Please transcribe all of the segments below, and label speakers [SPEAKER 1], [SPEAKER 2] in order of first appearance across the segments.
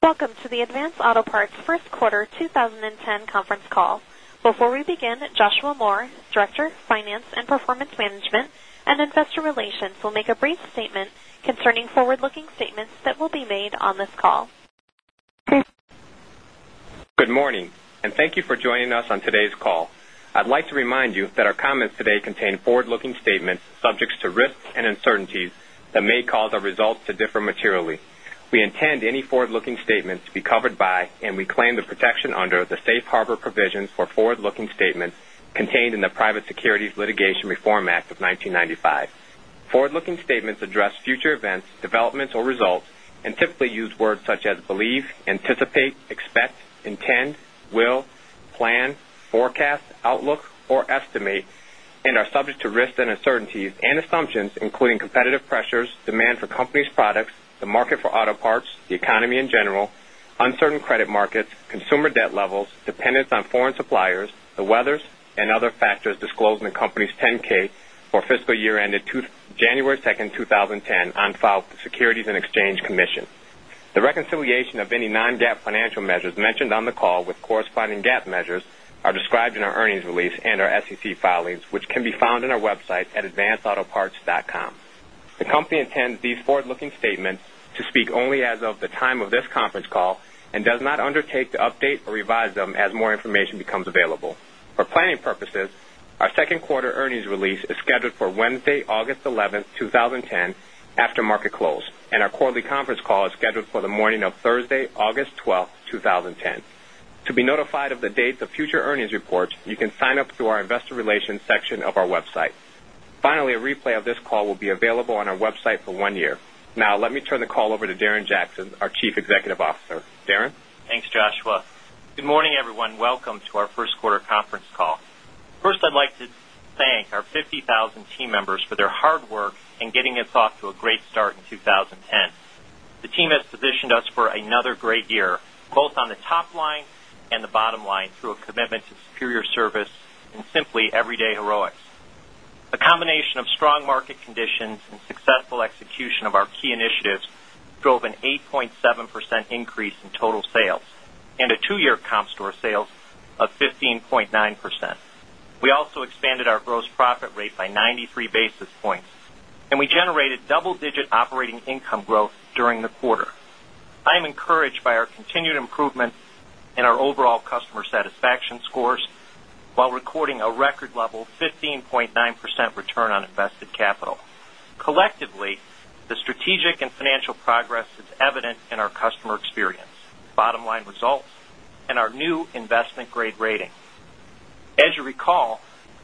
[SPEAKER 1] Welcome to the Advanced Auto Parts First Quarter 2010 Conference Call. Before we begin, Joshua Moore, Director, Finance and Performance Management and Investor Relations will make a brief statement concerning forward looking statements that will be made on this call.
[SPEAKER 2] Good morning and thank you for joining us on today's call. I'd like to remind you that our comments today contain forward looking statements subject to risks and uncertainties that may cause our results to differ materially. We intend any forward looking statements to be covered by and we claim the protection under the Safe Harbor provisions for forward looking statements contained in the Private Securities Litigation Reform Act of 1995. Forward looking statements address future events, developments or results and typically use words such as believe, anticipate, expect, intend, will, plan, forecast, outlook or estimate and are subject to risks and uncertainties and assumptions, including competitive pressures, demand for company's products, the market for auto parts, the economy in general, uncertain credit markets, consumer debt levels, dependence on foreign suppliers, the weathers and other factors disclosed in the company's 10 ks for fiscal year ended January 2, 2010, on file with the Securities and Exchange Commission. The reconciliation of any non GAAP financial measures mentioned on the call with corresponding GAAP measures are described in our earnings release and our SEC filings, which can be found on our website at advancedautoparts.com. The company intends these forward looking statements to speak only as of the time of this conference call and does not undertake to update or revise them as more information becomes available. For becomes available. For planning purposes, our Q2 earnings release is scheduled for Wednesday, August 11, 2010, after market close and our quarterly conference call is scheduled for the morning of Thursday, August 12, 2010. To be notified of the date of future earnings reports, you can sign up through our Investor Relations section of our website. Finally, a replay of this call will be available on our website for 1 year. Now let me turn the call over to Darren Jackson, our Chief Executive Officer.
[SPEAKER 3] Darren? Thanks, Joshua. Good morning, everyone. Welcome to our Q1 conference call. First, I'd like to thank our 50,000 team members for their hard work in getting us off to a great start in 2010. The team has positioned us for another great year, both on the top line and the bottom line through a commitment to superior service and simply everyday heroics. The combination of strong market conditions and successful execution of our key initiatives drove an 8.7% increase in total sales and 2 year comp store sales of 15.9%. We also expanded our gross profit rate by 93 basis points and we generated double digit operating income growth during the quarter. I am encouraged by our continued improvement in our overall customer satisfaction scores, while recording a record level 15.9% return on invested capital. Collectively, the strategic and financial progress is evident in our customer experience, bottom line results and our new investment grade rating. As you recall,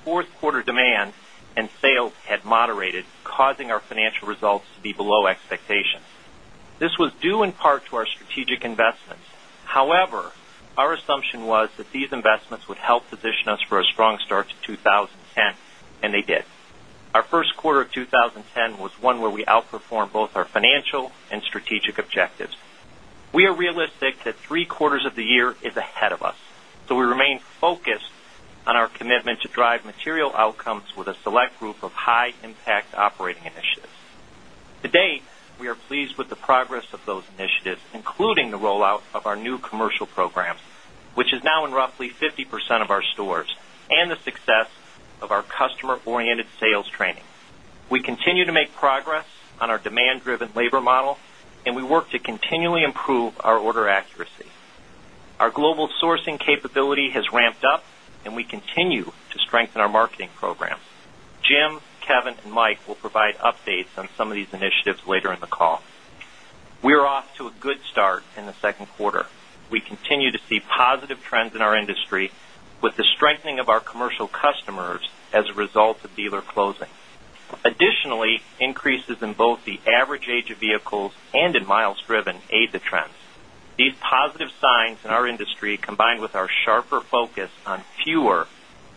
[SPEAKER 3] 4th quarter demand and sales had moderated causing our financial results to be below expectations. This was due in part to our strategic investments. However, our assumption was that these investments would help position us for a strong start to 2010, and they did. Our Q1 of 2010 was one where we outperformed both our financial and strategic objectives. We are realistic that 3 quarters of the year is ahead of us. So, we remain focused on our commitment to drive material outcomes with a select group of high impact operating initiatives. To date, we are pleased with the progress of those initiatives, including the rollout of our new commercial programs, which is now in roughly 50% of our stores and the success of our customer oriented sales training. We continue to make progress on our demand driven labor model and we work to continually improve our order accuracy. Our global sourcing capability has ramped up and we continue to strengthen our marketing programs. Jim, Kevin and Mike will provide updates on some of these initiatives later in the call. We are off to a good start in the Q2. We continue to see positive trends in our industry with the strengthening of our commercial customers as a result of dealer closing. Additionally, increases in both the average age of vehicles and in miles driven aid the trends. These positive signs in our industry combined with our sharper focus on fewer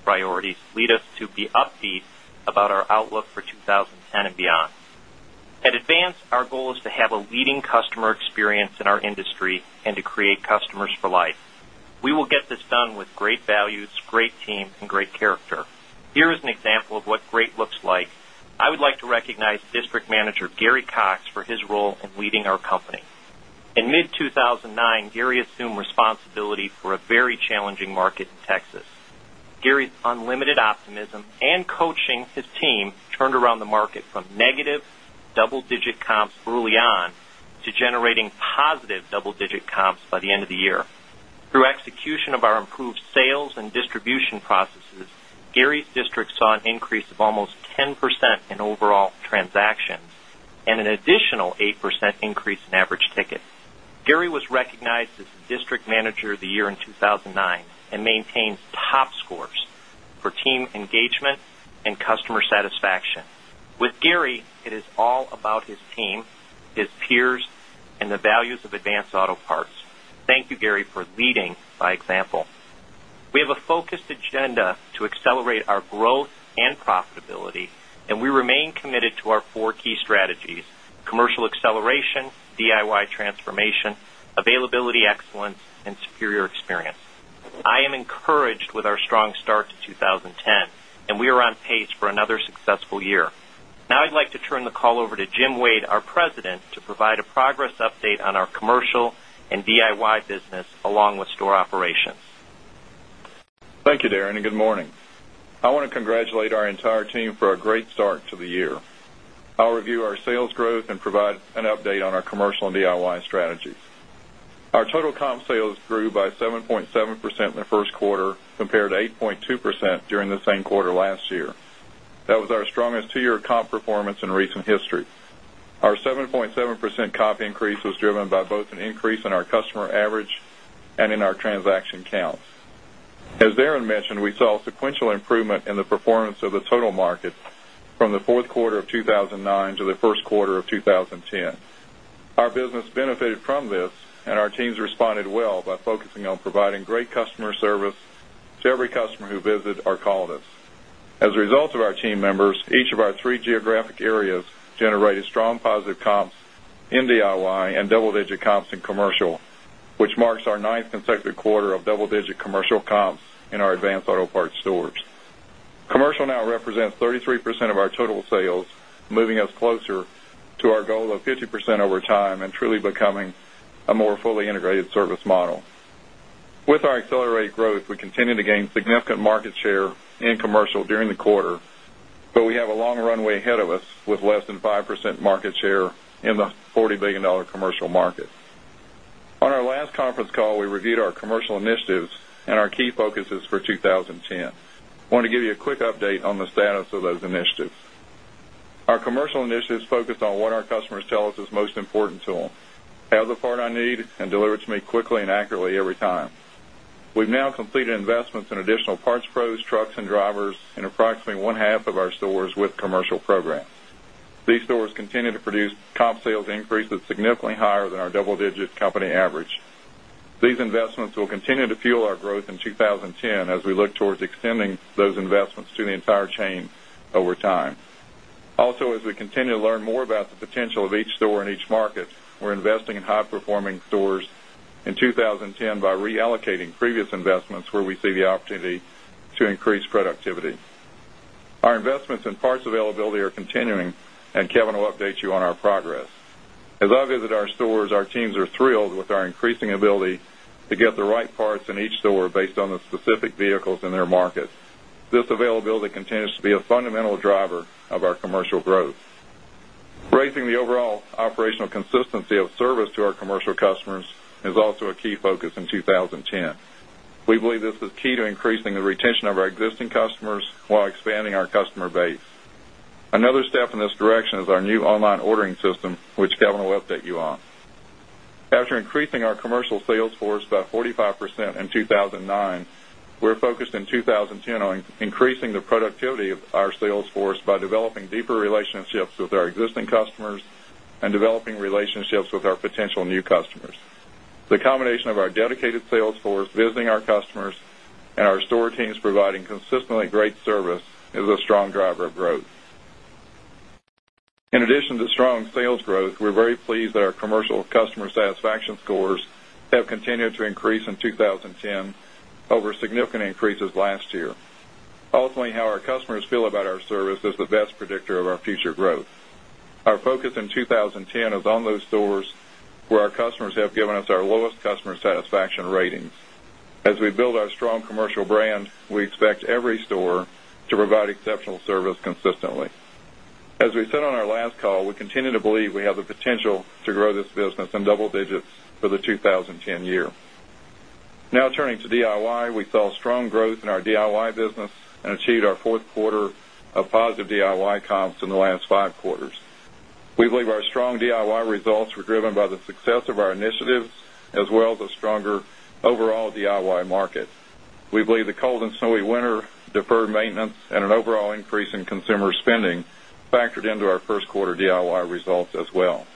[SPEAKER 3] priorities lead us to be upbeat about our outlook for 2010 and beyond. At Advance, our goal is to have a leading customer experience in our industry and to create customers for life. We will get this done with great values, great team and great character. Here is an example of what great looks like. I would like to recognize District Manager, Gary Cox for his role in leading our company. In mid-two 1000 and 9, Gary assumed responsibility for a very challenging market in Texas. Gary's unlimited optimism and coaching his team turned around the market from negative double digit comps early on to generating positive double digit comps by the end of the year. Through execution of our improved sales and distribution processes, Gary's district saw an increase of almost 10% in overall transactions and an additional 8% increase in average ticket. Gary Gary was recognized as the District Manager of the Year in 2009 and maintains top scores for team engagement and customer satisfaction. With Gary, it is all about his team, his peers and the values of Advanced Auto Parts. Thank you, Gary, for leading by example. We have a focused agenda to accelerate our growth and profitability and we remain committed to our 4 key strategies, commercial acceleration, DIY transformation, availability excellence and superior experience. I am encouraged with our strong start to 2010 and we are on pace for another successful year. Now I'd like to turn the call over to Jim Wade, our President, to provide a progress update on our commercial and DIY business along with store operations.
[SPEAKER 4] Thank you, Darren, and good morning. I want to congratulate our team for a great start to the year. I'll review our sales growth and provide an update on our commercial and DIY strategies. Our total comp sales grew by 7.7% in the Q1 compared to 8.2% during the same quarter last year. That was our strongest 2 year comp performance in recent history. Our 7.7% comp increase was driven by both an increase in our customer average and in our transaction counts. As Darren mentioned, we saw sequential improvement in the performance of the total market from the Q4 of 2009 to the Q1 of 2010. Our business benefited from this and our teams responded well by focusing on providing great customer service to every customer who visit or call us. As a result of our team members, each of our 3 geographic areas generated strong positive comps in DIY and double digit comps in commercial, which marks our 9th consecutive quarter of double digit commercial comps in our Advanced Auto Parts stores. Commercial now represents 33% of our total sales, moving us closer to our goal of 50% over time and truly becoming a more fully integrated service model. With our accelerated growth, we continue to gain significant market share in commercial during the quarter, but we have a long runway ahead of us with less than 5% market share in the $40,000,000,000 commercial market. On our last conference call, we reviewed our commercial initiatives and our key focuses for 2010. I want to give you a quick update on the status of those initiatives. Our commercial initiatives focused on what our customers tell us is most important to them, have the part I need and deliver to me quickly and accurately every time. We've now completed investments in additional parts pros, trucks and drivers in approximately one half of our stores with commercial programs. These stores continue to produce comp sales increases significantly higher than our double digit company average. These investments will continue to fuel our growth in 2010 as we look towards extending those investments to the entire chain over time. Also as we continue to learn more about the potential of each store in each market, investing in high performing stores in 2010 by reallocating previous investments where we see the opportunity to increase productivity. Our investments in parts availability are continuing and Kevin will update you on our progress. As I visit our stores, our teams are thrilled with our increasing ability to get the right parts in each store based on the specific vehicles in their market. This availability continues to be a fundamental driver of our commercial growth. Raising the overall operational consistency of service to our commercial customers is also a key focus in 2010. We believe this is key to increasing the retention of our existing customers while expanding our customer base. Another step in this direction is our new online ordering system, which Kevin will update you on. After increasing our commercial sales force by 45% in 2,009, we're focused in 2020 on increasing the productivity of our sales force by developing deeper relationships with our existing customers and developing relationships with our potential new customers. The combination of our dedicated sales force visiting our customers and our store teams providing consistently great service is a strong driver of growth. In addition to strong sales growth, we're very pleased that our commercial customer satisfaction scores have continued to increase in 2010 over significant increases last year. Ultimately, how our customers feel about our service is the best predictor of our future growth. Our focus in 2010 is on those stores where our customers have given us our lowest customer satisfaction ratings. As we build our strong commercial brand, we expect every store to provide exceptional service consistently. As we said on our last call, we continue to believe we have the potential to grow this business in double digits for the 2010 year. Now turning to DIY, we saw strong growth in our DIY business and achieved our 4th quarter of positive DIY comps in the last 5 quarters. We believe our strong DIY results were driven by the success of our initiatives as well as a stronger overall DIY market. We believe the cold and snowy winter deferred maintenance and an overall increase in consumer spending factored into our Q1 DIY results as well.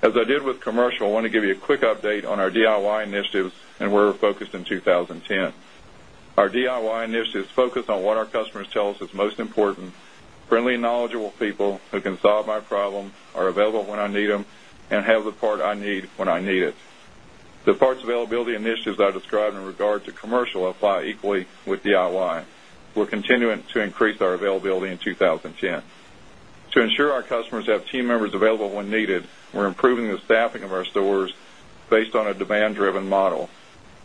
[SPEAKER 4] As I did with commercial, I want to give you a quick update on our DIY initiatives and where we're focused in 2010. Our DIY initiatives focus on what our customers tell us is most important, friendly and knowledgeable people who can solve my problem are available when I need them and have the part I need when I need it. The parts availability initiatives I described in regard to commercial apply equally with DIY. We're continuing to increase our availability in 2010. To ensure our customers have team members available when needed, we're improving the staffing of our stores based on a demand driven model.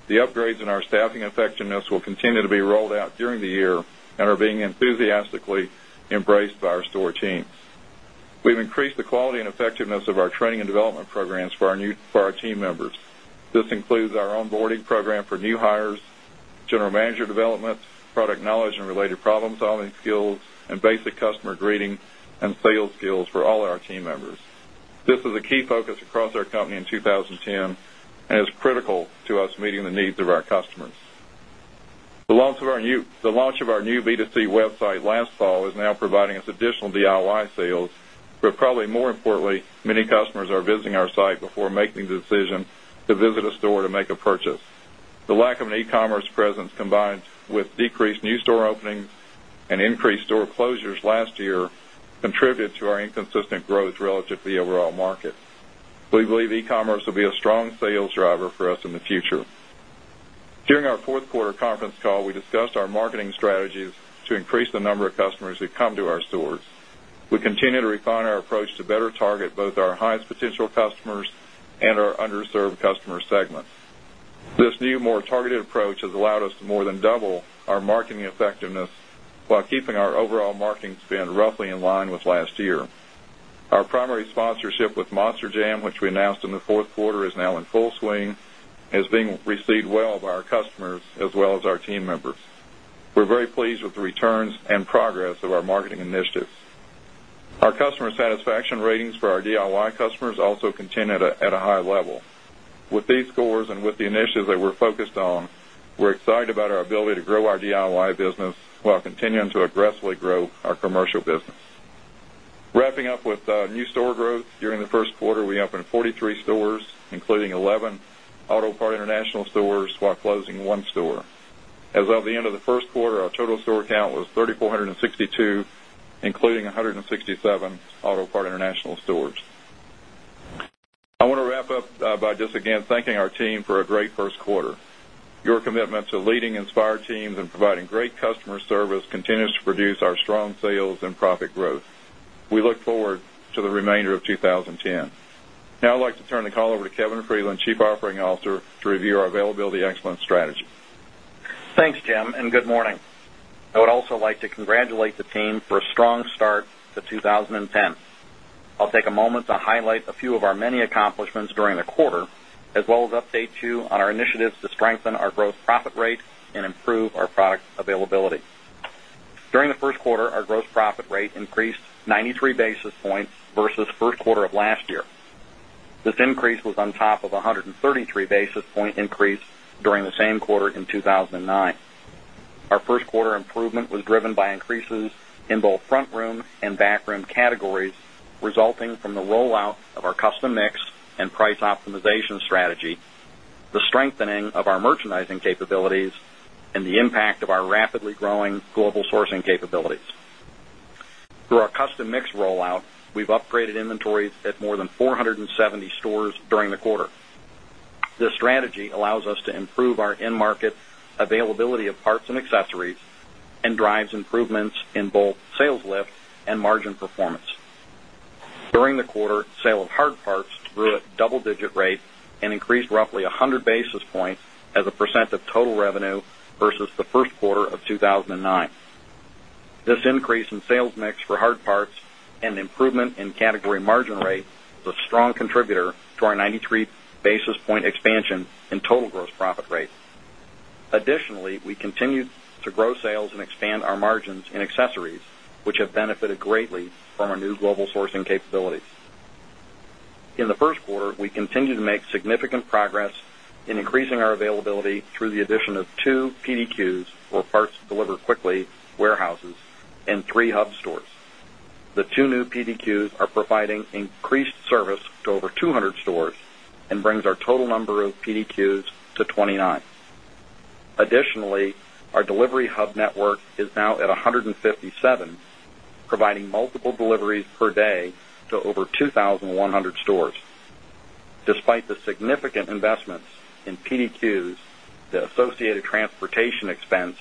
[SPEAKER 4] The upgrades in our staffing effectiveness will continue to be rolled out during the year and are being enthusiastically embraced by our store teams. We've increased the quality and effectiveness of our training and development programs for our team members. This includes our onboarding program for new hires, general manager development, product knowledge and related problem solving skills and basic customer greeting and sales skills for all our team members. This is a key focus across our company in 2010 and is critical to us meeting the needs of our customers. The launch of our new B2C website last fall is now providing us additional DIY sales, but probably more importantly, many customers are visiting our site before making the decision to visit a store to make a purchase. The lack of an e commerce presence combined with decreased new store openings and increased store closures last year contributed to our inconsistent growth relative to the overall market. We believe e commerce will be a strong sales driver for us in the future. During our Q4 conference call, we discussed our marketing strategies to increase the number of customers who come to our stores. We continue to refine our approach to better target both our highest potential customers and our underserved customer segments. This new more targeted approach has allowed us to more than double our marketing effectiveness while keeping our overall marketing spend roughly in line with last year. Our primary sponsorship with Monster Jam, which we announced in the Q4 is now in full swing, is been received well by our customers as well as our team members. We're very pleased with the returns and progress of our marketing initiatives. Our customer satisfaction ratings for our DIY customers also continued at a high level. With these scores and with the initiatives that we're focused on, we're excited about our ability to grow our DIY business while continuing to aggressively grow our commercial business. Wrapping up with new store growth, during the Q1, we opened 43 stores, including 11 AutoPart International stores while closing 1 store. As of the end of the Q1, our total store count was 3,462 including 167 AutoPart International stores. I want to wrap up by just again thanking our team for a great Q1. Your commitment to leading Inspire teams and providing great customer service continues to produce our strong sales and profit growth. We look forward to the remainder of 2010. Now I'd like to turn the call over to Kevin Friedland, Chief Operating Officer to review our availability excellence strategy.
[SPEAKER 5] Thanks, Jim, and good morning. I would also like to congratulate the team for a strong start to 2010. I'll take a moment to highlight a few of our many accomplishments during the quarter, as well as update you on our initiatives to strengthen our gross profit rate and improve our product availability. During the Q1, our gross profit rate increased 93 basis points versus Q1 of last year. This increase was on top of 133 basis point increase during the same quarter in 2,009. Our first quarter improvement was driven by increases in both front room and back room categories, resulting from the rollout of our custom mix and price optimization strategy, the strengthening of our merchandising capabilities and the impact of our rapidly growing global sourcing capabilities. Through our custom mix rollout, we've upgraded inventories at more than 470 stores during the quarter. This strategy allows us to improve our end market availability of parts and accessories and drives improvements in both sales lift and margin performance. During the quarter, sale of hard parts grew at double digit rate and increased roughly 100 basis points as a percent of total revenue versus the Q1 of 2,009. This increase in sales mix for hard parts and improvement in category margin rate was a strong contributor to our 93 basis point expansion in total gross profit rate. Additionally, we continued to grow sales and expand our margins in accessories, which have benefited greatly from our new global sourcing capabilities. In the Q1, we continued to make significant progress in increasing our availability through the addition of 2 PDQs or parts delivered quickly warehouses and 3 hub stores. The 2 new PDQs are providing increased service to over 200 stores and brings our total number of PDQs to 29. Additionally, our delivery hub network is now at 157, providing multiple deliveries per day to over 2,100 stores. Despite the significant investments in PDQs, the associated transportation expense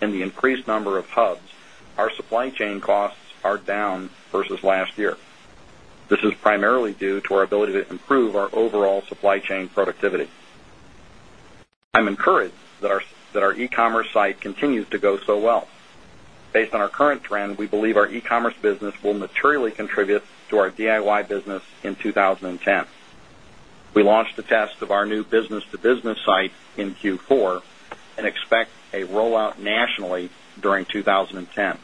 [SPEAKER 5] and the increased number of hubs, our supply chain costs are down versus last year. This is primarily due to our ability to improve our overall supply chain productivity. I'm encouraged that our e commerce site continues to go so well. Based on our current trend, we believe our e commerce business will materially contribute to our DIY business in 2010. We launched a test of our new business to business site in Q4 and expect a rollout nationally during 2010.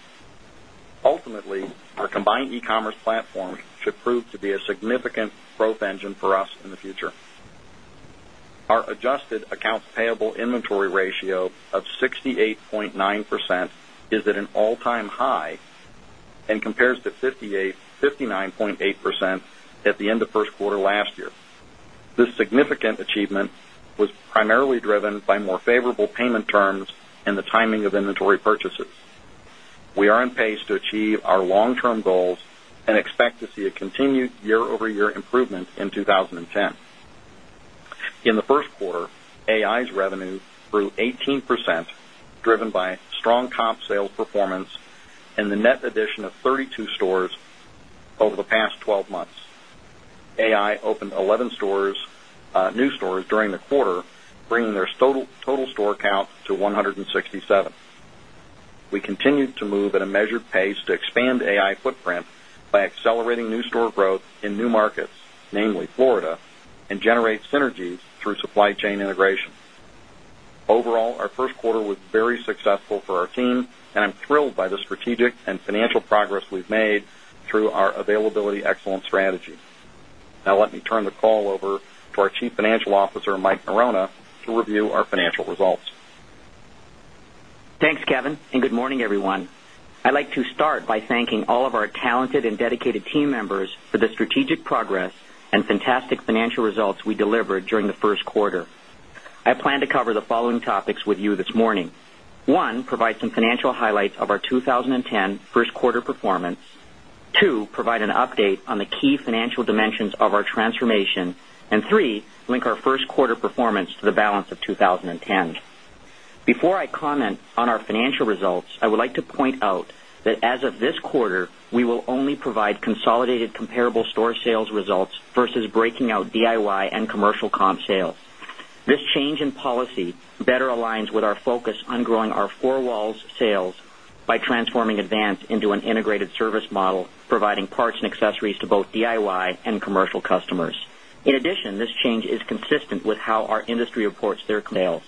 [SPEAKER 5] Ultimately, our combined e commerce platform should prove to be a significant growth engine for us in the future. Our adjusted accounts payable inventory ratio of 68.9 percent is at an all time high and compares to 59.8%
[SPEAKER 2] at the
[SPEAKER 5] end of Q1 last year. This significant achievement was primarily driven by more favorable payment terms and the timing of inventory purchases. We are on pace to achieve our long term goals and expect to see a continued year over year improvement in 2010. In the Q1, AI's revenue grew 18%, driven by strong comp sales performance and the net addition of 32 stores over the past 12 months. AI opened 11 stores new stores during the quarter, bringing their total store count to 167. We continued to move at a measured pace to expand AI footprint by accelerating new store growth in new markets, namely Florida, and generate synergies through supply chain integration. Overall, our Q1 was very successful for our team and I'm thrilled by the strategic and financial progress we've made through our availability excellence strategy. Now let me turn the call over to our Chief Financial Officer, Mike Morona, to review our financial results.
[SPEAKER 6] Thanks, Kevin, and good morning, everyone. I'd like to start by thanking all of our talented and dedicated team members for the strategic progress and fantastic financial results we delivered during the Q1. I plan to cover the following topics with you this morning. 1, provide some financial highlights of our 20 10 Q1 performance 2, provide an update on the key financial dimensions of our transformation and 3, link our Q1 performance to the balance of 2010. Before I comment on our financial results, I would like to point out that as of this quarter, we will only provide consolidated comparable store sales results versus breaking out DIY and commercial comp sales. This change in policy better aligns with our focus on growing our 4 walls sales by transforming Advance into an integrated service model, providing parts and accessories to both DIY and commercial customers. In addition, this change is consistent with how our industry reports their sales.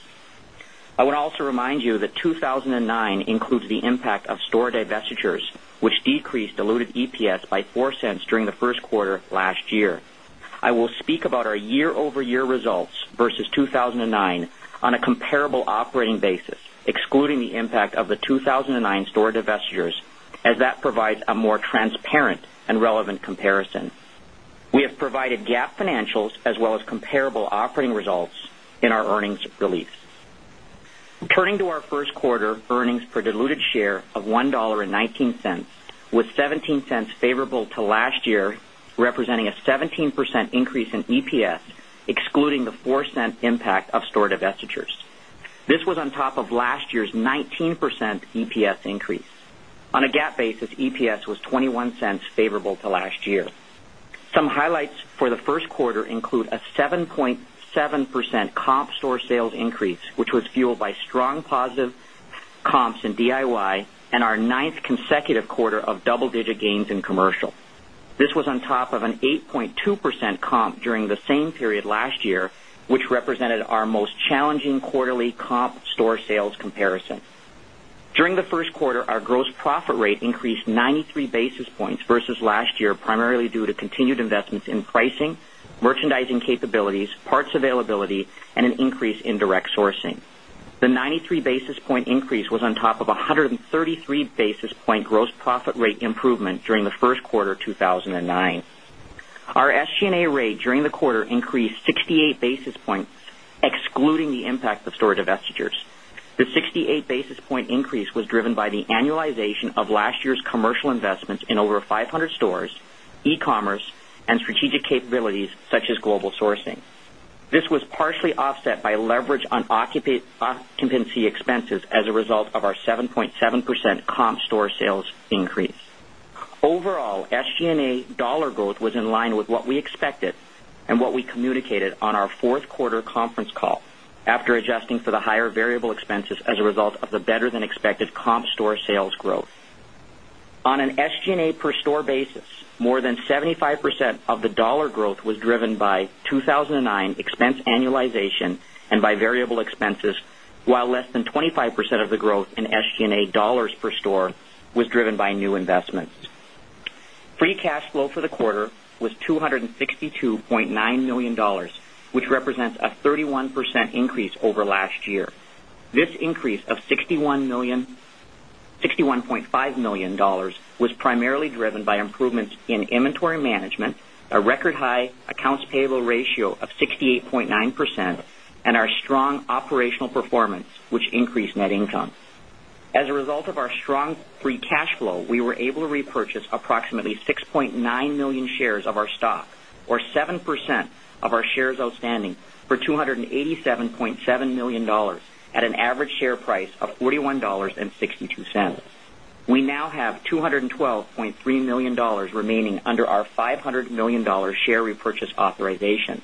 [SPEAKER 6] I would also remind you that 2,009 includes the impact of store divestitures, which decreased diluted EPS by $0.04 during the Q1 last year. I will speak about our year over year results versus 2,009 on a comparable operating basis, excluding the impact of the 2 1009 store divestitures as that provides a more transparent and relevant comparison. We have provided GAAP financials as well as comparable operating results in our earnings release. Turning to our Q1 earnings per diluted share of $1.19 was $0.17 favorable to last year representing a 17% increase in EPS excluding the $0.04 impact of store divestitures. This was on top of last year's 19% EPS increase. On a GAAP basis, EPS was $0.21 favorable to last year. Some highlights for the Q1 include a 7.7% comp store sales increase, which was fueled by strong positive comps in DIY and our 9th consecutive quarter of double digit gains in commercial. This was on top of an 8.2% comp during the same period last year, which represented our most challenging quarterly comp store sales comparison. During the Q1, our gross profit rate increased 93 basis points versus last year primarily due to continued investments in pricing, merchandising capabilities, parts availability and an increase in direct sourcing. The 93 basis point increase was on top of 133 basis point gross profit rate improvement during the Q1 of 2009. Our SG and A rate during the quarter increased 68 basis points excluding the impact of store divestitures. The 68 basis point increase was driven by the annualization of last year's commercial investments in over 500 stores, e commerce and strategic capabilities such as global sourcing. This was partially offset by leverage on occupancy expenses as a result of our 7.7% comp store sales increase. Overall, SG and A dollar growth was in line with what we expected and what we communicated on our Q4 conference call after adjusting for the higher variable expenses as a result of the better than expected comp store sales growth. On an SG and A per store basis, more than 75% of the dollar growth was driven by 2,009 expense annualization and by variable expenses, while less than 25% of the growth in SG and A dollars per store was driven by new investments. Free cash flow for the quarter was $262,900,000 which represents a 31% increase over last year. This increase of $61,500,000 was primarily driven by improvements in inventory management, a record high accounts payable ratio of 68.9 percent and our strong operational performance, which increased net income. As a result of our strong free cash flow, we were able to repurchase approximately 6,900,000 shares of our stock or 7% of our shares outstanding for $287,700,000 at an average share price of $41.62 We now have $212,300,000 remaining under our $500,000,000 share repurchase authorization.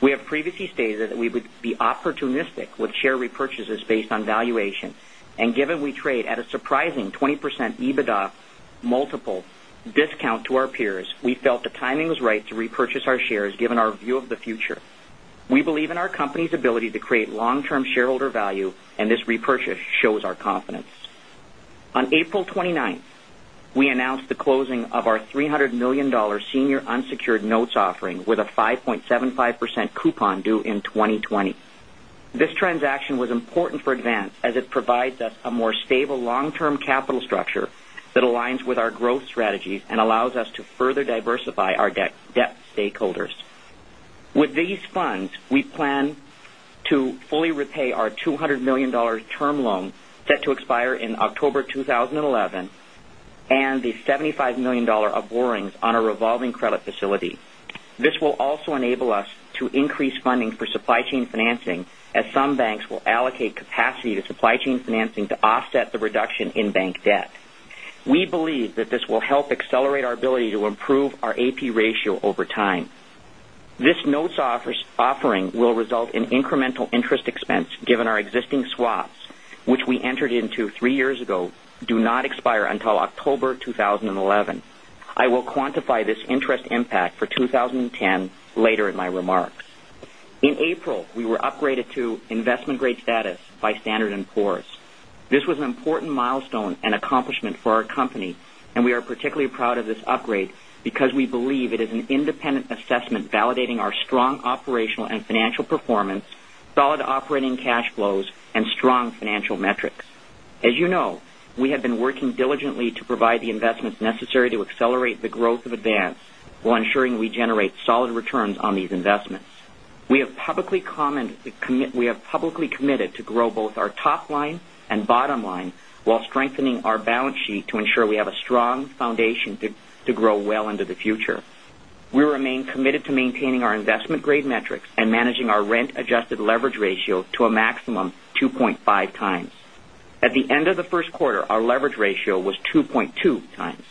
[SPEAKER 6] We have previously stated that we would be opportunistic with share repurchases based on valuation. And given we trade at a surprising 20% EBITDA multiple discount to our peers, we felt the timing was right to repurchase our shares given our view of the future. We believe in our company's ability to create long term shareholder value and this repurchase shows our confidence. On April 29, we announced the closing of our $300,000,000 senior unsecured notes offering with a 5.75% coupon due in 2020. This transaction was important for Advance as it provides us a more stable long term capital structure that aligns with our growth strategies and allows us to further diversify our debt stakeholders. With these funds, we plan to fully repay our $200,000,000 term loan set to expire in October 2011 and the $75,000,000 of borrowings on our revolving credit facility. This will also enable us to increase funding for supply chain financing as some banks will allocate capacity to supply chain financing to offset the reduction in bank debt. We believe that this will help accelerate our ability to improve our AP ratio over time. This notes offering will result in incremental interest expense given our existing swaps which we entered into 3 years ago do not expire until October 2011. I will quantify this interest impact for 2010 later in my remarks. In April, we were upgraded to investment grade status by Standard and Poor's. This was an important milestone and accomplishment for our company and we are particularly proud of this upgrade because we believe it is an independent assessment validating our strong operational and financial performance, solid operating cash flows and strong financial metrics. As you know, we have been working diligently to provide the investments necessary to accelerate the growth of Advance while ensuring we generate solid returns on these investments. We have publicly committed to grow both our top line and bottom line, while strengthening our balance sheet to ensure we have a strong foundation to grow well into the future. We remain committed to maintaining our investment grade metrics and managing our rent adjusted leverage ratio to a maximum 2.5 times. At the end of the Q1, our leverage ratio was 2.2 times.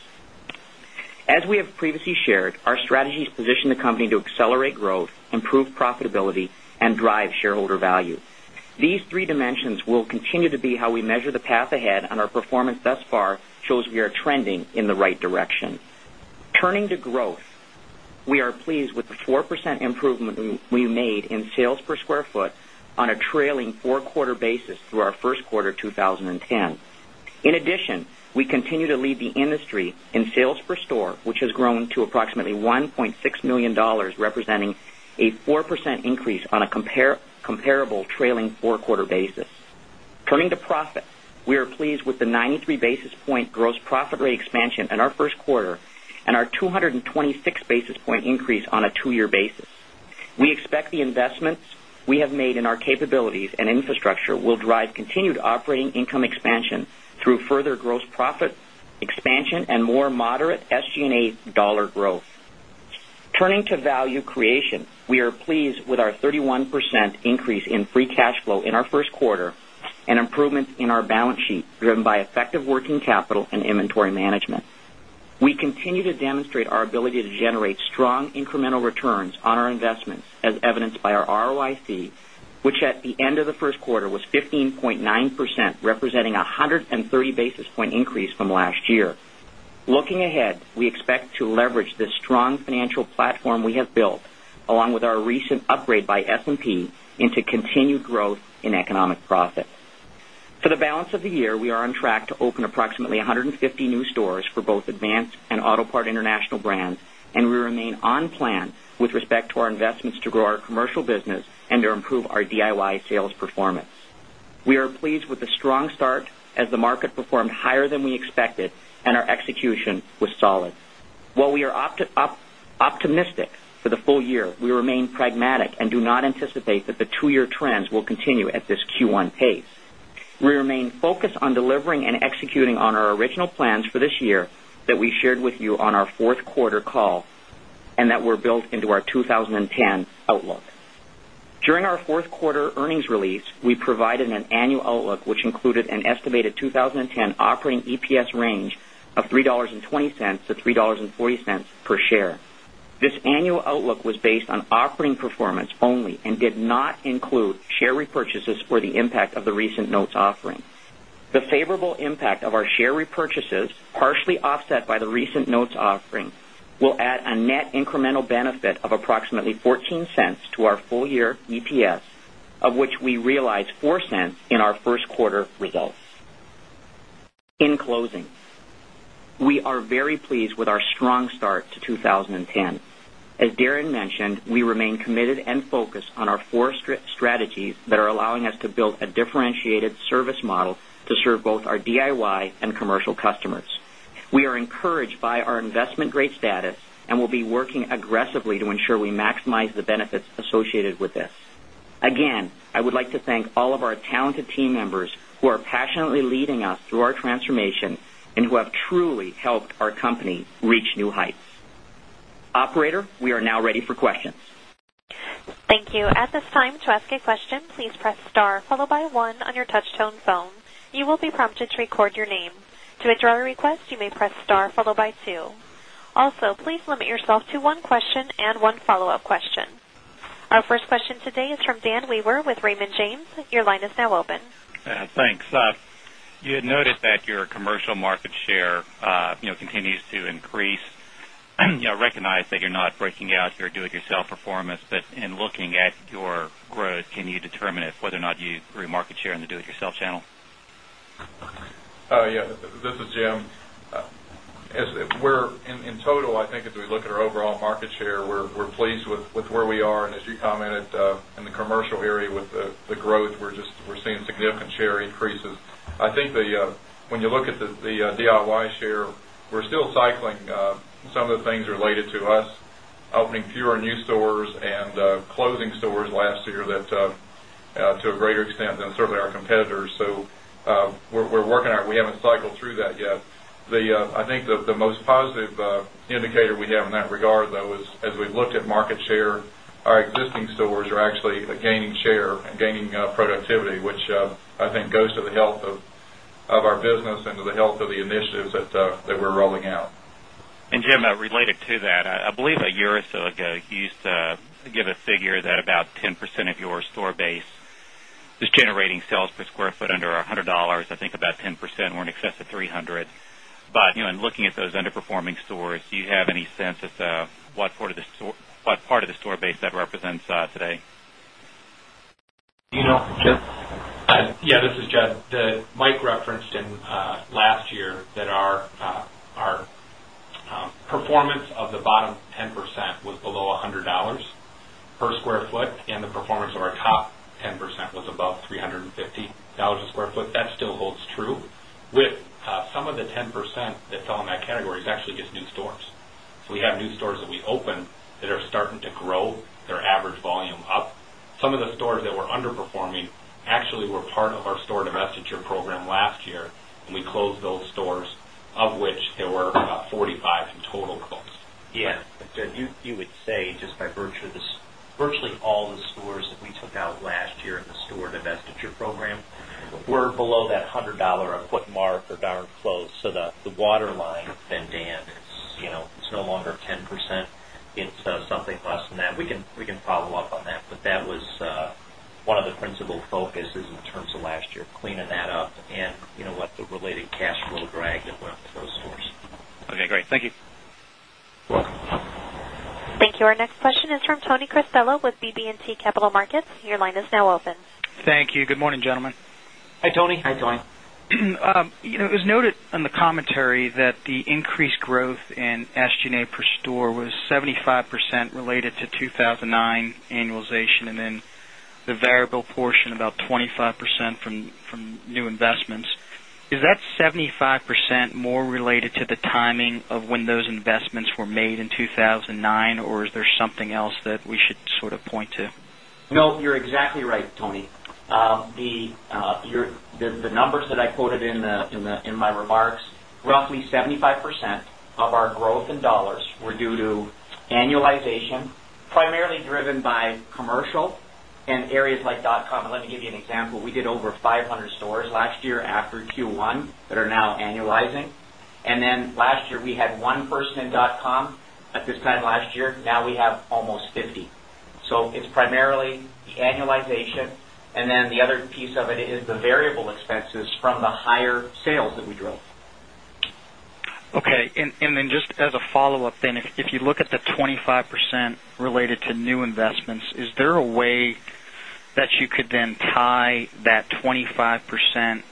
[SPEAKER 6] As we have previously shared, our strategy has positioned the company to accelerate growth, improve profitability and drive shareholder value. These three dimensions will continue to be how we measure the path ahead and our performance thus far shows we are trending in the right direction. Turning to growth. We are pleased with the 4% improvement we made in sales per square foot on a trailing 4 quarter basis through our Q1 2010. In addition, we continue to lead the industry in sales per store, which has grown to approximately $1,600,000 representing a 4% increase on a comparable trailing 4 quarter basis. Turning to profit. We are pleased with the 93 basis point gross profit rate expansion in our Q1 and our 226 basis point increase on a 2 year basis. We expect the investments we have made in our capabilities and infrastructure will drive continued operating income expansion through further gross profit expansion and more moderate SG and A dollar growth. Turning to value creation, We are pleased with our 31% increase in free cash flow in our Q1 and improvement in our balance sheet driven by effective working capital and inventory management. We continue to demonstrate our ability to generate strong incremental returns on our investments as evidenced by our ROIC, which at the end of the Q1 was 15.9 percent representing 130 basis point increase from last year. Looking ahead, we expect to leverage this strong financial platform we have built along with our recent upgrade by S and P into continued growth in economic profit. For the balance of the year, we are on track to open approximately 150 new stores for both Advanced and Auto Parts International brands and we remain on plan with respect to our investments to grow our commercial business and to improve our DIY sales performance. We are pleased with the strong start as the market performed higher than we expected and our execution was solid. While we are optimistic for the full year, we remain pragmatic and do not anticipate that the 2 year trends will continue at this Q1 pace. We remain focused on delivering and executing on our original plans for this year that we shared with you on our Q4 call and that were built into our 20 10 outlook. During our Q4 earnings release, we provided an annual outlook, which included an estimated 20 10 operating EPS range of $3.20 to $3.40 per share. This annual outlook was based on operating performance only and did not include share repurchases or the impact of the recent notes offering. The favorable impact of our share repurchases, partially offset by the recent notes offering, will add a net incremental benefit of approximately $0.14 to our full year EPS, of which we realized $0.04 in our Q1 results. In closing, we are very pleased with our strong start to 2010. As Darren mentioned, we remain committed and focused on our 4 strategies that are allowing us to build a differentiated service model to serve both our DIY and commercial customers. We are encouraged by our investment grade status and we'll be working aggressively to ensure we maximize the benefits associated with this. Again, I would like to thank all of our talented team members who are passionately leading us through our transformation and who have truly helped our company reach new heights. Operator, we are now ready for questions.
[SPEAKER 1] Thank you. Our first question today is from Dan Weaver with Raymond James. Your line is now open.
[SPEAKER 7] Thanks. You had noticed that your commercial market share continues to increase. I recognize that you're not breaking out your do it yourself performance, but in looking at your growth, can you determine whether or not you grew market share in the do it yourself channel?
[SPEAKER 4] Yes, this is Jim. In total, I think as we look at our overall market share, we're pleased with where we are and as you commented in the commercial area with the growth, we're seeing significant share increases. I think when you look at the DIY share, we're still cycling some of the things related to us, opening fewer new stores and closing stores last year that to a greater extent than certainly our competitors. So, we're working out. We haven't cycled through that yet. I think the most positive indicator we have in that regard though is as we looked at market share, our existing stores are actually gaining share and gaining
[SPEAKER 7] $100 I think about 10% were in excess of generating sales per square foot under $100 I think about 10% were in excess of $300 But in looking at those underperforming stores, do you have any sense of what part of the store base that represents today?
[SPEAKER 8] Do you know, Jeff? Yes, this is Jed. Mike referenced in last year that our performance of the bottom 10% was below $100 per square foot and the performance of our top 10% was about $350 a square foot. That still holds true with some of the 10% that fell in that category is actually just new stores. So we have new stores that we opened that are starting to grow their average volume up. Some of the stores that were underperforming actually were part of our store divestiture program last year and we closed those stores, of which there were 45 in total closed. Yes.
[SPEAKER 3] You would say just by virtually all the stores that we took out last year in the store divestiture program. We're below that $100 a foot mark or down close. So the waterline has been down. It's no longer 10%. It's something less than that. We can follow-up on that. But that was one of the principal focuses in terms of last year cleaning that up and what the related cash flow drag that went to those stores.
[SPEAKER 2] Okay, great. Thank you. Welcome.
[SPEAKER 1] Thank you. Our next question is from Tony Cristello with BB and T Capital Markets. Your line is now open.
[SPEAKER 9] Thank you. Good morning, gentlemen. Hi, Tony. Hi, Tony. It was noted on the commentary that the increased growth in SG and A per store was 75% related to 2,009 annualization and then the variable portion about 25% from new investments. Is that 75% more related to the timing of
[SPEAKER 7] when those investments were made in 2,009? Or is
[SPEAKER 9] there something else that we should
[SPEAKER 6] the roughly 75% of our growth in dollars were due to annualization, primarily driven by commercial and areas like dotcom. And let me give you an example, we did over 500 stores last year after Q1 that are now annualizing. And then last year, we had 1 person in dotcom at this time last year. Now we have almost 50. So, it's primarily the annualization. And then the other piece of it is the variable expenses from the higher sales that we drove.
[SPEAKER 9] Okay. And then just as a follow-up then, if you look at the 25% related to new investments, is there a way that you could then tie that 25%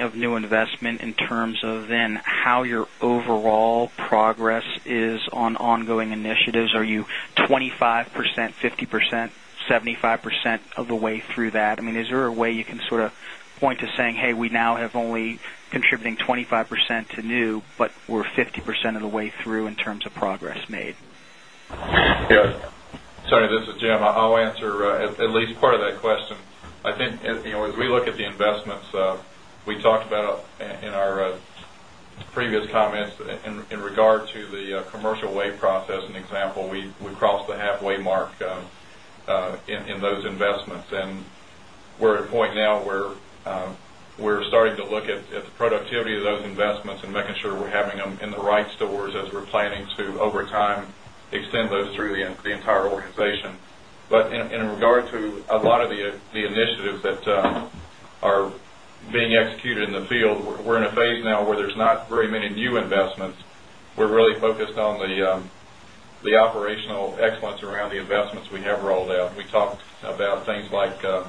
[SPEAKER 9] of new investment in terms of then how your overall progress is on ongoing initiatives? Are you 25%, 50%, 75% of the way through that? I mean, is there a way you can sort of point to saying, hey, we now have only contributing 25% to new, but we're 50% of the way through in terms of progress made?
[SPEAKER 4] Yes. Sorry, this is Jim. I'll answer at least part of that question. I think as we look at the investments, we talked about in our previous comments in regard to the commercial way process, an example, we crossed the halfway mark in those investments and we're at a point now where we're productivity of those investments and making sure we're having them in the right stores as we're planning to over time extend those through the entire organization. But in regard to a lot of the initiatives that are being executed in the field, we're in a phase now where there's not very many new investments. We're really focused on the operational excellence around the investments we have rolled out. We talked about things like the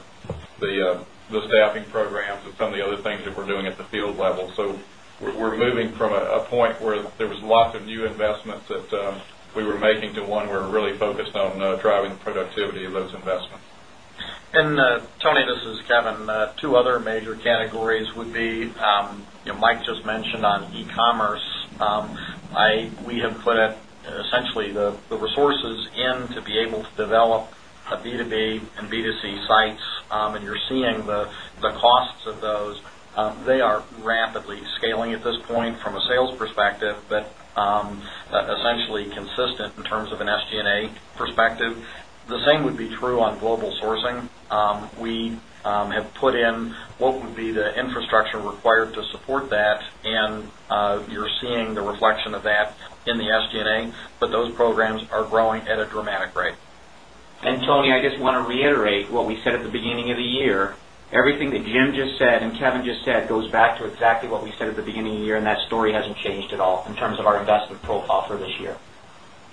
[SPEAKER 4] staffing programs and some of the other things that we're doing at the field level. So, we're moving from a point where there was lots of new investments that we were making to one where we're really focused on driving productivity of those investments.
[SPEAKER 5] And Tony, this is Kevin. 2 other major categories would be, Mike just mentioned on e commerce. We have put it essentially the resources in to be able to develop a B2B and B2C sites and you're seeing the costs of those. They are rapidly scaling at this point from a sales perspective, but
[SPEAKER 10] infrastructure required to support that and you're
[SPEAKER 5] seeing the the infrastructure required to support that and you're seeing the reflection of that in the SG and A, but those programs are growing at a dramatic rate.
[SPEAKER 6] And Tony, I just want to reiterate what we said at the beginning of the year. Everything that Jim
[SPEAKER 7] just said and Kevin just
[SPEAKER 6] said goes back to exactly what we said at the beginning of the year and that story hasn't changed at all in terms of our investment profile for this year.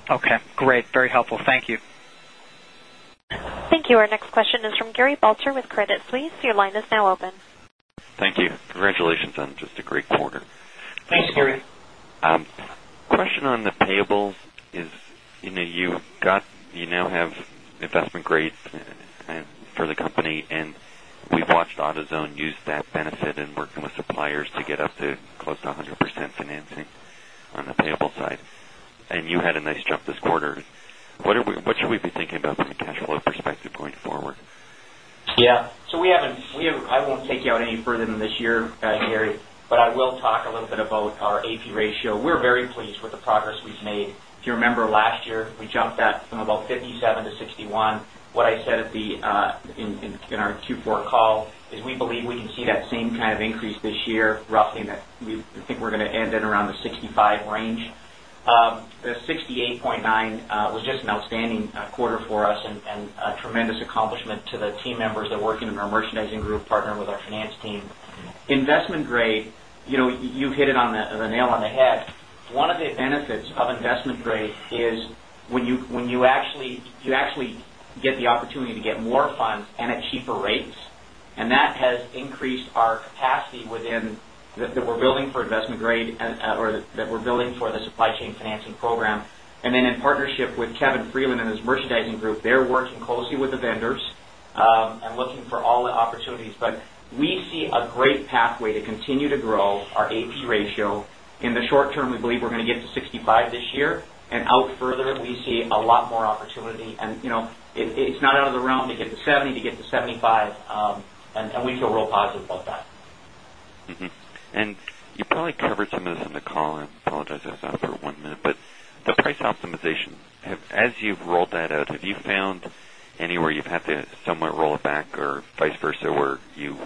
[SPEAKER 6] Okay, great. Very helpful. Thank you.
[SPEAKER 1] Thank you. Our next question is from Gary Belcher with Credit Suisse. Your line is now open.
[SPEAKER 11] Thank you. Congratulations on just a great quarter.
[SPEAKER 6] Thanks, Gary.
[SPEAKER 11] Question on the payables is you've got you now have investment grade for the company and we've watched AutoZone use that benefit and working with suppliers to get up to close to 100% financing on the payable side. And you had a nice jump this quarter. What should we be thinking about from cash flow perspective going forward?
[SPEAKER 6] Yes. So, we haven't I won't take you out any further than this year, Gary, but I will talk a little bit about our AP ratio. We're very pleased with the progress we've made. If you remember last year, we jumped that from about 57 to 61. What I said at the in our Q4 call is we believe we can see that same kind of increase this year, roughly in that we think we're going to end at around the 65 range. The 68.9 was just an outstanding quarter for us and a tremendous accomplishment to the team members that are working in our merchandising group, partnering with our finance team. Investment grade, you hit it on the nail on the head. One of the benefits of investment grade is when you actually get the opportunity to get more funds and at cheaper rates. And that has increased our capacity within that we're building for investment grade or that we're building for the supply chain financing program. And then in partnership with Kevin Freeland and his merchandising group, they're working closely with the vendors and looking for all the opportunities. But we see a great pathway to continue to grow our AP ratio. In the short term, we believe we're going to get to 65 this year. And out further, we see a lot more opportunity. And it's not out of the realm to get to 70 to get to 75, and we feel real positive about that.
[SPEAKER 11] And you probably covered some of this in the call. I apologize if I saw for 1 minute. But the price optimization, as you've rolled that out, have you found anywhere you've had to somewhere roll it back or vice versa where you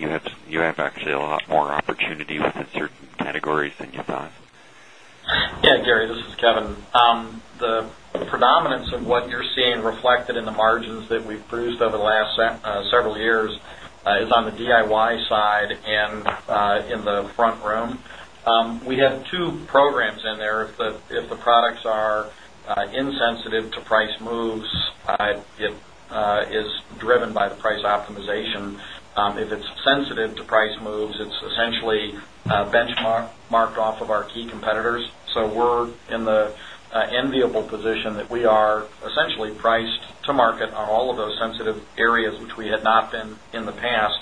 [SPEAKER 11] have actually a lot more opportunity within certain categories than you thought?
[SPEAKER 5] Yes, Gary, this is Kevin. The predominance of what you're seeing reflected in the margins that we've produced over the last several years is on the DIY side and in the front room. We have 2 programs in there, if the products are insensitive to price moves, it is driven by the price optimization. If it's sensitive to price moves, it's essentially benchmarked off of our key competitors. So, we're in the enviable position that we are essentially priced to market on all of those sensitive areas, which we had not been in the past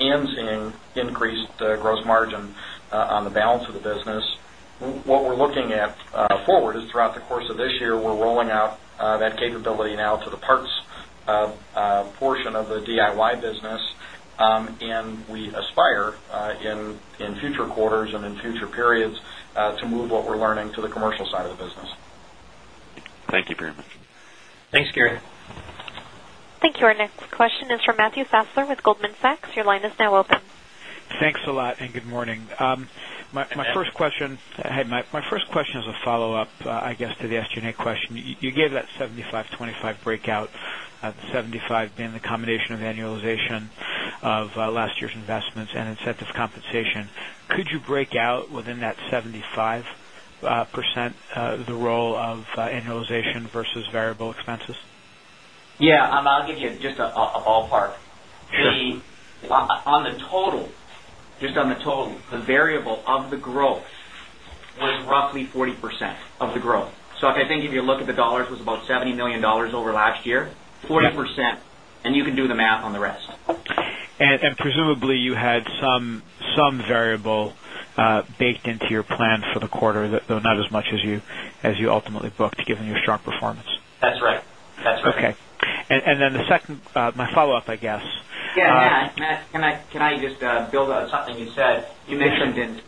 [SPEAKER 5] and seeing increased gross margin on the balance of the business. What we're looking at forward is throughout the course of this year, we're rolling out that capability now to the parts portion of the DIY business and we aspire in future quarters and in future periods to move what we're learning to the commercial side of the business.
[SPEAKER 1] Our next question is from Matthew Fassler with Goldman Sachs.
[SPEAKER 12] My first question is a follow-up, I guess, to the SG and A question. You gave that 70 five-twenty 5 breakout, the 75 being the combination of annualization of last year's investments and incentive compensation. Could you break out within that 75% the role of annualization versus variable expenses?
[SPEAKER 6] Yes, I'll give you just a ballpark. On the total, just on the total, the variable of the growth was roughly 40% of the growth. So, I think if you look at the dollars, it was about $70,000,000 over last year, forty percent and you can do the math on the rest.
[SPEAKER 12] And presumably, you had some variable baked into your plan for the quarter, though not as much as you ultimately booked given your strong performance?
[SPEAKER 6] That's right. That's right.
[SPEAKER 12] Okay. And then the second my follow-up I guess.
[SPEAKER 6] Yes. Matt, can I just build on something you said? You mentioned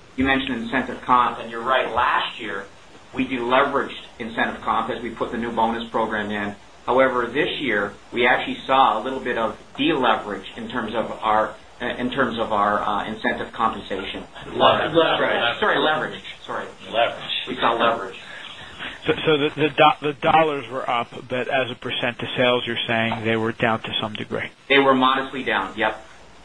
[SPEAKER 6] incentive comp and you're right. Last year, we deleveraged incentive comp as we put the new bonus program in. However, this year, we actually saw a little bit of deleverage in terms of our incentive compensation. Sorry, leverage. Sorry. Leverage. We saw leverage.
[SPEAKER 12] So, the dollars were up, but as a percent of sales, you're saying they were down to some degree?
[SPEAKER 6] They were modestly down, yes.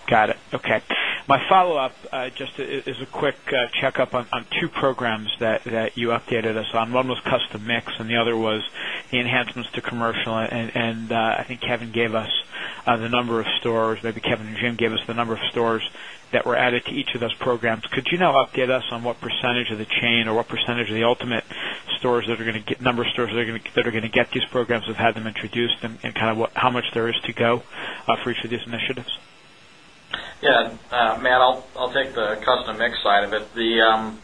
[SPEAKER 12] Got it. Okay. My follow-up just is a quick checkup on 2 programs that you updated us on. 1 was custom mix and the other was enhancements to commercial. And I think Kevin gave us the number of stores, maybe Kevin and Jim gave us the number of stores that were added to each of those programs. Could you now update us on what percentage of the chain or what percentage of the ultimate number stores that are going to get these programs have had them introduced and kind of how much there is to go for each of these initiatives?
[SPEAKER 5] Yes, Matt, I'll take the custom mix side of it. The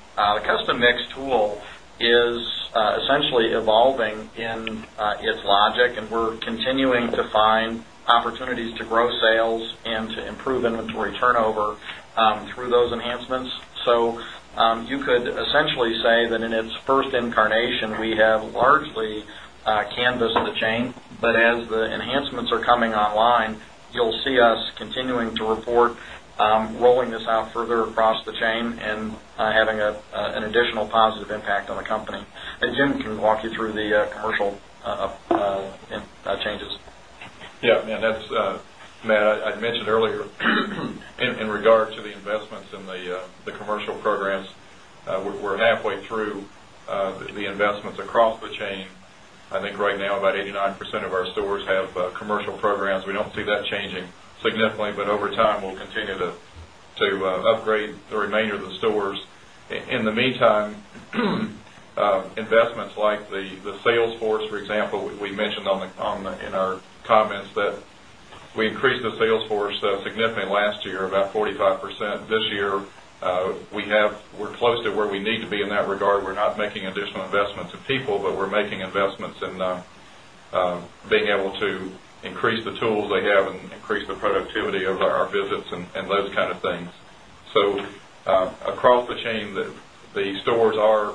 [SPEAKER 5] custom mix tool is essentially evolving
[SPEAKER 7] the custom mix tool is essentially evolving in
[SPEAKER 5] its logic and we're continuing to find opportunities to grow sales and to improve inventory turnover through those enhancements. So, you could essentially say that in its first incarnation,
[SPEAKER 7] we have largely canvassed the chain, but as
[SPEAKER 5] the enhancements are coming online, you'll
[SPEAKER 4] changes. Yes, Matt, I mentioned earlier in regard to the investments in the commercial programs, we're halfway through the investments across the chain. I think right now about 89% of our stores have commercial programs. We don't see that changing significantly, but over time, we'll continue to upgrade the remainder of the stores. In the meantime, investments like the sales force, for example, we mentioned in our comments that we increased the sales force significantly last year about 45%. This year, we have we're close to where we need to be in that regard. We're not making additional investments in people, but we're making investments in being able to increase the tools they have and increase the productivity of our visits and those kind of things. So, across the chain, the stores are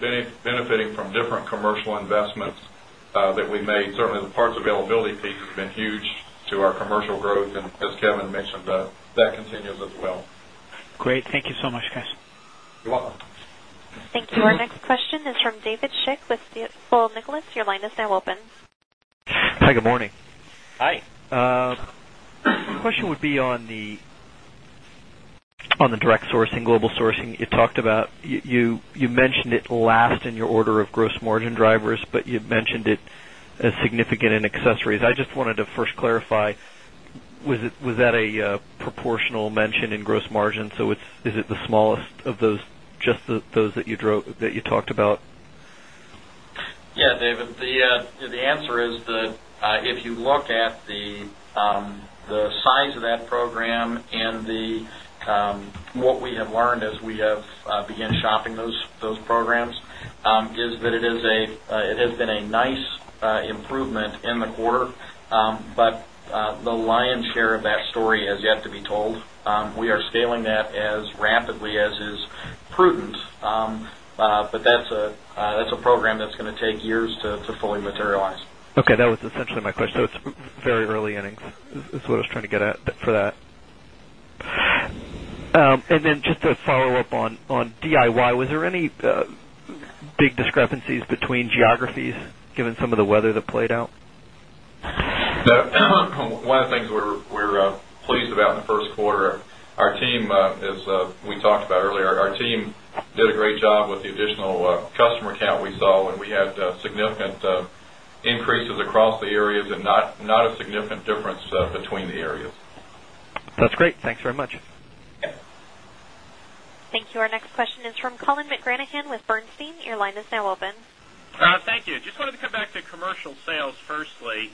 [SPEAKER 4] benefiting from different commercial investments that we made. Certainly, the parts availability peak has been huge to our commercial growth and as Kevin mentioned, that continues as well.
[SPEAKER 12] Great. Thank you so much guys.
[SPEAKER 4] You're welcome.
[SPEAKER 1] Thank you. Our next question is from David Schick with Stifel Nicolaus. Your line is now open.
[SPEAKER 3] Hi, good morning. Hi.
[SPEAKER 13] Question would be on the direct sourcing, global sourcing. You talked about you mentioned it last in your order of gross margin drivers, you've mentioned it as significant in accessories. I just wanted to first clarify, was that a proportional mention in gross margin, so is it the smallest of those just those that you drove that you talked about?
[SPEAKER 5] Yes, David. The answer is that if you look at the size of that program and the what we have learned as we have begun shopping those programs is that it is a it has been a nice improvement in the quarter, but the lion's share of that story has yet to be told. We are scaling that as rapidly as is prudent, but that's a program that's going to take years to fully materialize.
[SPEAKER 13] Okay. That was essentially my question. So it's very early innings is what I was trying to get at for that. And then just a follow-up on DIY, was there any big discrepancies between geographies given some of the weather that played out?
[SPEAKER 4] One of the things we're pleased about in the Q1, our team as we talked about earlier, our team did a great job with the additional customer count we saw when we had significant increases across the areas and not a significant difference between the areas.
[SPEAKER 13] That's great. Thanks very much.
[SPEAKER 11] Thank
[SPEAKER 1] you. Our next question is from Colin McGranahan with Bernstein. Your line is now open.
[SPEAKER 3] Thank you. Just wanted to come back to commercial sales firstly.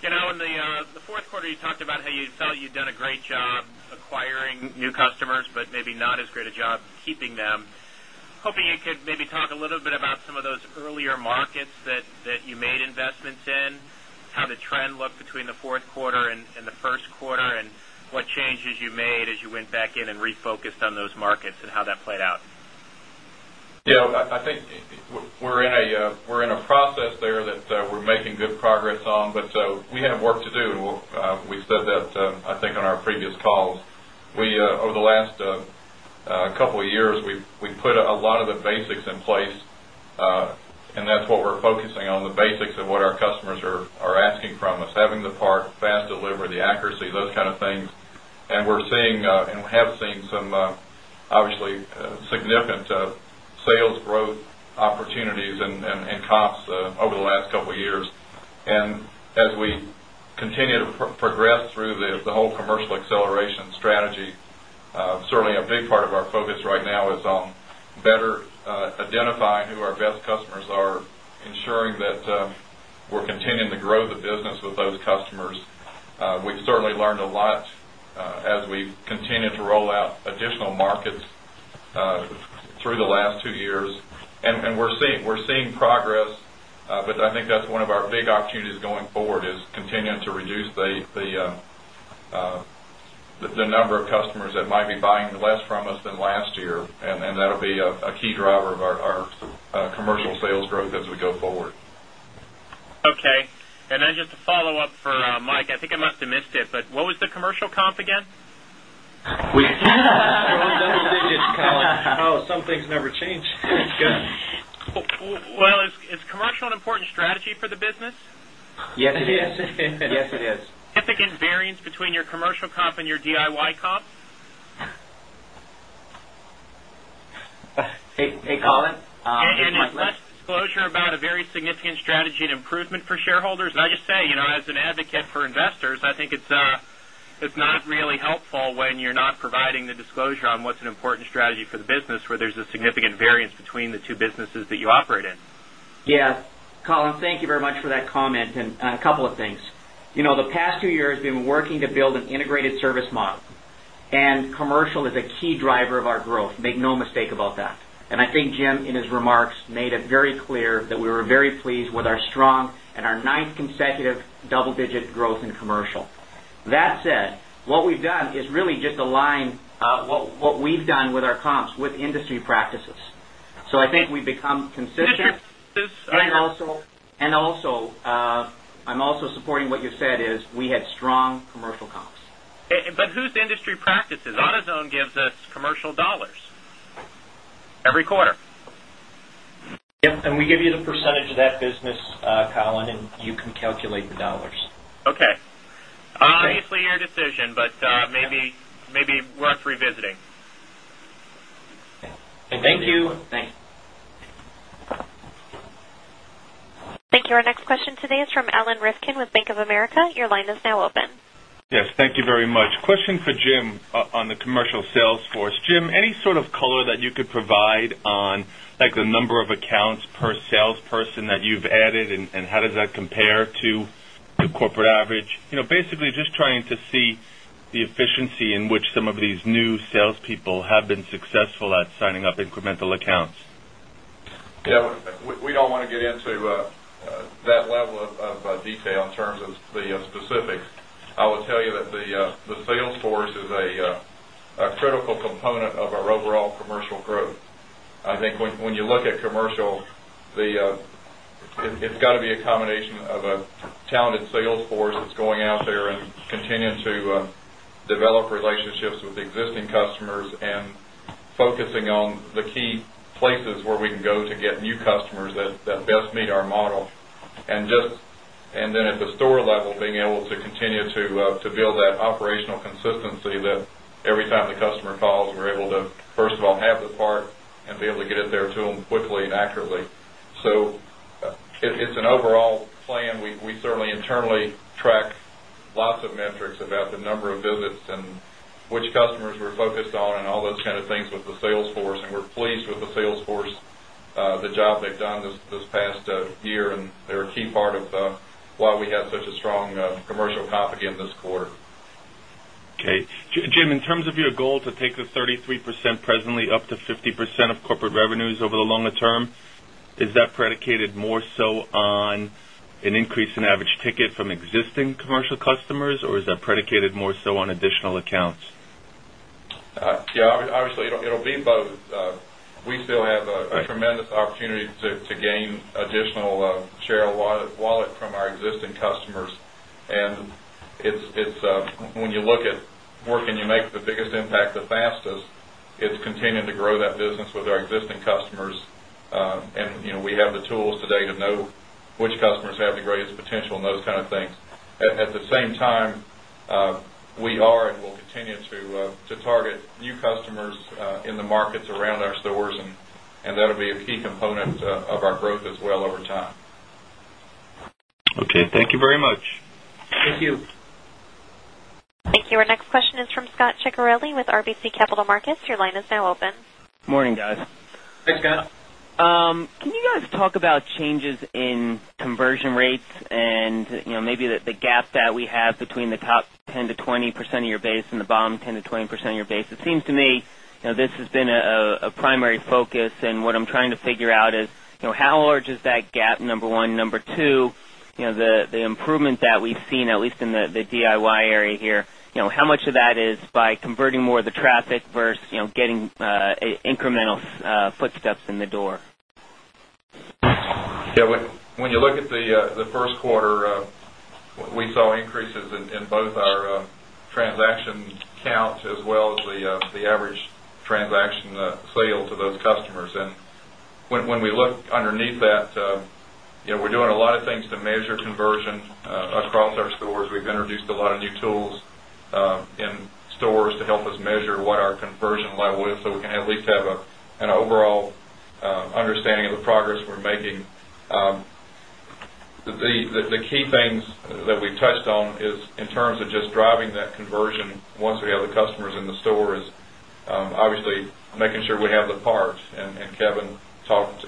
[SPEAKER 3] In the Q4, you talked about how you felt you've done a great job acquiring new customers, but maybe not as great a job keeping them. Hoping you could maybe talk a little bit about some of those earlier markets that you made investments in, how the trend looked between the Q4 and the Q1 and what changes you made as you went back in and refocused on those markets and how that played out?
[SPEAKER 4] Yes. I think we're in a process there that we're making good progress on, but we have work to do. We said that I think on our previous calls. Over the last couple of years, we've put a lot of the basics in place and that's what we're focusing on the basics of what our customers are asking from us having the part fast deliver the accuracy, those kind of things. And we're seeing and we have seen some obviously significant sales growth opportunities and comps over the last couple of years. And as we continue to progress through the whole commercial acceleration strategy, certainly a big part of our focus right now is on better identifying who our best customers are ensuring that we're continuing to grow the business with those customers. We've certainly learned a lot as we continue to roll out additional markets through the last 2 years and we're seeing progress, but I think that's one of our big opportunities going forward is continuing to reduce the number of customers that might be buying less from us than last year and that will be a key driver of our commercial sales growth as we go forward.
[SPEAKER 3] Okay. And then just a follow-up for Mike, I think I must have missed it, but what was the commercial comp again? We
[SPEAKER 14] Some things never change.
[SPEAKER 3] Well, is commercial an important strategy for the business?
[SPEAKER 6] Yes. It is.
[SPEAKER 3] Significant variance between your commercial comp and your DIY comp?
[SPEAKER 6] Hey, Collin.
[SPEAKER 3] And it's less disclosure about a very significant strategy and improvement for shareholders. And I just say, as an advocate for investors, I think it's not really helpful when you're not providing the disclosure on what's an important strategy for the business where there's a significant variance between the two businesses that you operate in.
[SPEAKER 6] Yes. Colin, thank you very much for that comment and a couple of things. The past 2 years, we've been working to build an integrated service model and commercial is a key driver of our growth, make no mistake about that. And I think Jim in his remarks made it very clear that we were very pleased with our strong and our 9th consecutive double digit growth in commercial. That said, what we've done is really just align what we've done with our comps with industry practices. So I think we've become consistent. And also I'm also supporting what you said is we had strong commercial comps.
[SPEAKER 3] But whose industry practices? AutoZone gives us commercial dollars every quarter. Yes. And we give you the percentage of that business, Colin, and you can calculate the dollars. Okay. Obviously, your decision, but maybe worth revisiting. Thank you.
[SPEAKER 1] Thank you. Our next question today is from Alan Rifkin with Bank of America. Your line is now open.
[SPEAKER 15] Yes, thank you very much. Question for Jim on the commercial sales force. Jim, any sort of color that you could provide on the number of accounts per salesperson that you've added and how does that compare to the corporate average? Basically, just trying to see the efficiency in which some of these new salespeople have been successful at signing up incremental accounts.
[SPEAKER 4] Yes. We don't want to get into that level of detail in terms of the specifics. I would tell you that the sales force is a critical component of our overall commercial growth. I think when you look at commercial, it's got to be a combination of a talented sales force that's going out there and continuing to develop relationships with the existing customers and focusing on the key places where we can go to get new customers that best meet our model. And just and then at the store level being able to continue to build that operational consistency that every time the customer calls, we're able to first of all have the part and be able to get it there to them quickly and accurately. So, it's an overall plan. We certainly internally track lots of metrics about the number of visits and which customers we're focused on and all those kind of things with the sales force and we're pleased with the sales force, the job they've done this past year and they're a key part of why we have such a strong commercial comp again this quarter.
[SPEAKER 15] Okay. Jim, in terms of your goal to take the 33% presently up to 50% of corporate revenues over the longer term, is that predicated more so on an increase in average ticket from existing commercial customers or is that predicated more so on additional accounts?
[SPEAKER 4] Yes, obviously, it will be both. We still have a tremendous opportunity to gain additional share of wallet from our existing customers and it's when you look at working you make the biggest impact the fastest, it's continuing to grow that business with our existing customers and we have the tools today to know which customers have the greatest potential and those kind of things. At the same time, we are and we'll continue to target new customers in the markets around our stores and that will be a key component of our growth as well over time.
[SPEAKER 15] Okay. Thank you very much.
[SPEAKER 6] Thank you.
[SPEAKER 1] You. Our next question is from Scot Ciccarelli with RBC Capital Markets. Your line is now open.
[SPEAKER 16] Good morning, guys.
[SPEAKER 6] Hi, Scot.
[SPEAKER 16] Can you guys talk about changes in conversion rates and maybe the gap that we have between the top 10% to 20% of your base and the bottom 10% to 20% of your base. It seems to me this has been a primary focus and what I'm trying to figure out is how large is that gap number 1. Number 2, the improvement that we've seen at least in the DIY area here, how much of that is by converting more of the traffic versus getting incremental footsteps in the door?
[SPEAKER 4] Yes. When you look at the Q1, we saw increases in both our transaction count as well as the average transaction sale to those customers. And when we look underneath that, we're doing a lot of things to measure conversion across our stores. We've introduced a lot of new tools in stores to help us measure what our conversion level is, so we can at least have an overall understanding of the progress we're making. The key things that we touched on is in terms of just driving that conversion once we have the customers in the store is obviously making sure we have the parts and Kevin talked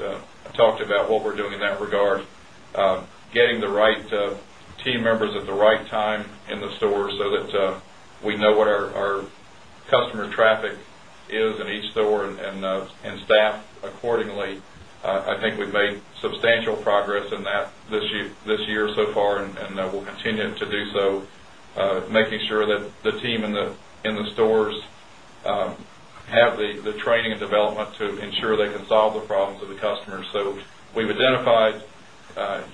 [SPEAKER 4] about what we're doing in that regard. Getting the right team members at the right time in the stores, so that we know what our customer traffic is in each store and staff accordingly. I think we've made substantial progress in that this year so far and that will continue to do so, making sure that the team in the stores have the training and development to ensure they can solve the problems of the customers. So, we've identified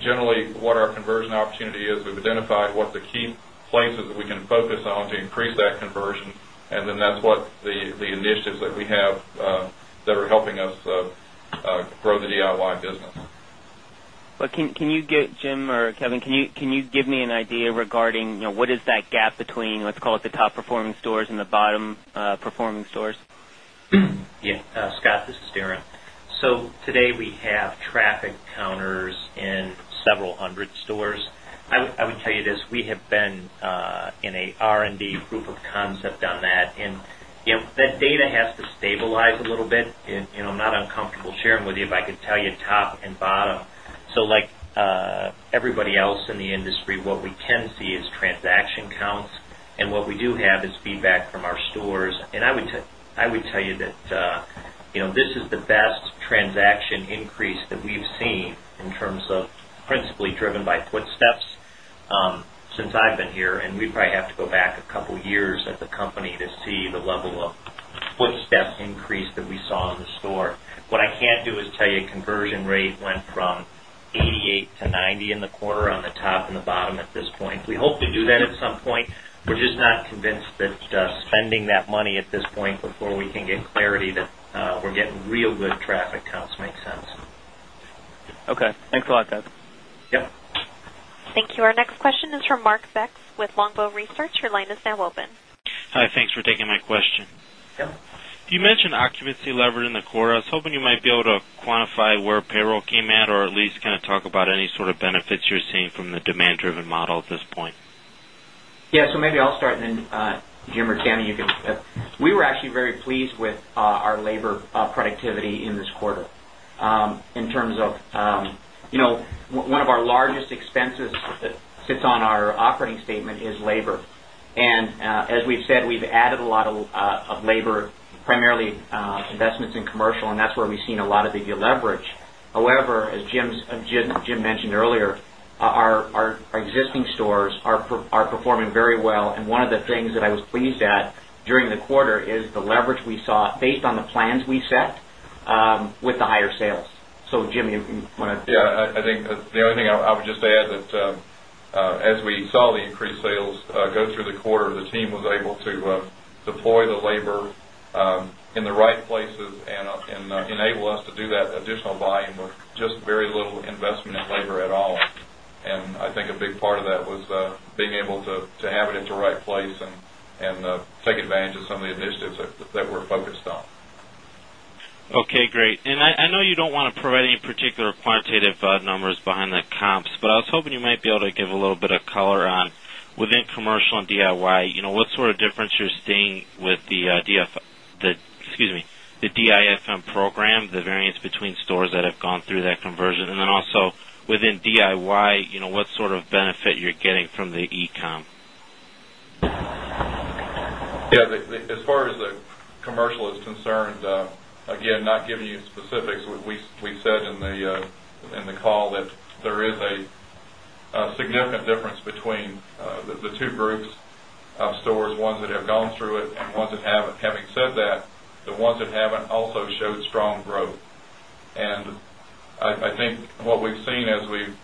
[SPEAKER 4] generally what our conversion opportunity is. We've identified what the key places that we can focus on to increase that conversion and then that's what the initiatives that we have that are helping us grow the DIY business.
[SPEAKER 16] But can you get Jim or Kevin, can you give me an idea regarding what is that gap between, let's call it, the top performing stores and the bottom performing stores?
[SPEAKER 3] Yes, Scott, this is Darren. So today we have traffic counters in several 100 stores. I would tell you this, we have been in a R and D proof of concept on that and that data has to stabilize a little bit, I'm not uncomfortable sharing with you, if I could tell you top and bottom. So like everybody else in the industry, what we can see is transaction counts and what we do have is feedback from our stores. And I would tell you that this is the best transaction increase that we've seen in terms of principally driven by footsteps since I've been here and we probably have to go back a couple of years at the company to see the level of footsteps increase that we saw in the store. What I can't do is tell you conversion rate went from 88 to 90 in the quarter on the top and the bottom at this point. We hope to do at some point. We're just not convinced that spending that money at this point before we can get clarity that we're getting real good traffic counts make sense.
[SPEAKER 16] Okay. Thanks a lot, Doug.
[SPEAKER 2] Yes.
[SPEAKER 1] Thank you. Our next question is from Mark with Longbow Research. Your line is now open.
[SPEAKER 10] Hi. Thanks for taking my question. You mentioned occupancy levered in the quarter. I was hoping you might be able to quantify where payroll came at or at least kind of talk about any sort of benefits you're seeing from the demand driven model at this point?
[SPEAKER 6] Yes. So maybe I'll start and then Jim or Tammy you can we were actually very pleased with our labor productivity in this quarter. In terms of one of our largest expenses sits on our operating statement is labor. And as we've said, we've added a lot of labor, primarily investments in commercial and that's where we've seen a lot of deleverage. However, as Jim mentioned earlier, our existing stores are performing very well.
[SPEAKER 7] And one of the things that
[SPEAKER 6] I was pleased existing stores are performing very well. And one of the things that I was pleased at during the quarter is the leverage we saw based on the plans we set with the higher sales. So, Jim, you want to Yes. I think the only
[SPEAKER 4] thing I would just just add that as we saw the increased sales go through the quarter, the team was able to deploy the labor in the right places and enable us to do that additional volume with just very little investment in labor at all. And I think a big part of that was being able to have it into right place and take advantage of some of the initiatives that we're focused on.
[SPEAKER 10] Okay, great. And I know you don't want to provide any particular quantitative numbers behind the comps, but I was hoping you might be able to give a little bit of color on within commercial and DIY, what sort of difference you're seeing with the DIFM program, the variance between stores that have gone through that conversion? And then also within DIY, what sort of benefit you're getting from the e com?
[SPEAKER 4] Yes. As far as the commercial is concerned, again, not giving you specifics, we said in the call that there
[SPEAKER 7] is a
[SPEAKER 4] significant difference between the a significant difference between the 2 groups of stores, ones that have gone through it and ones that haven't. Having said that, the ones that haven't also showed strong growth. And I think what we've seen as we've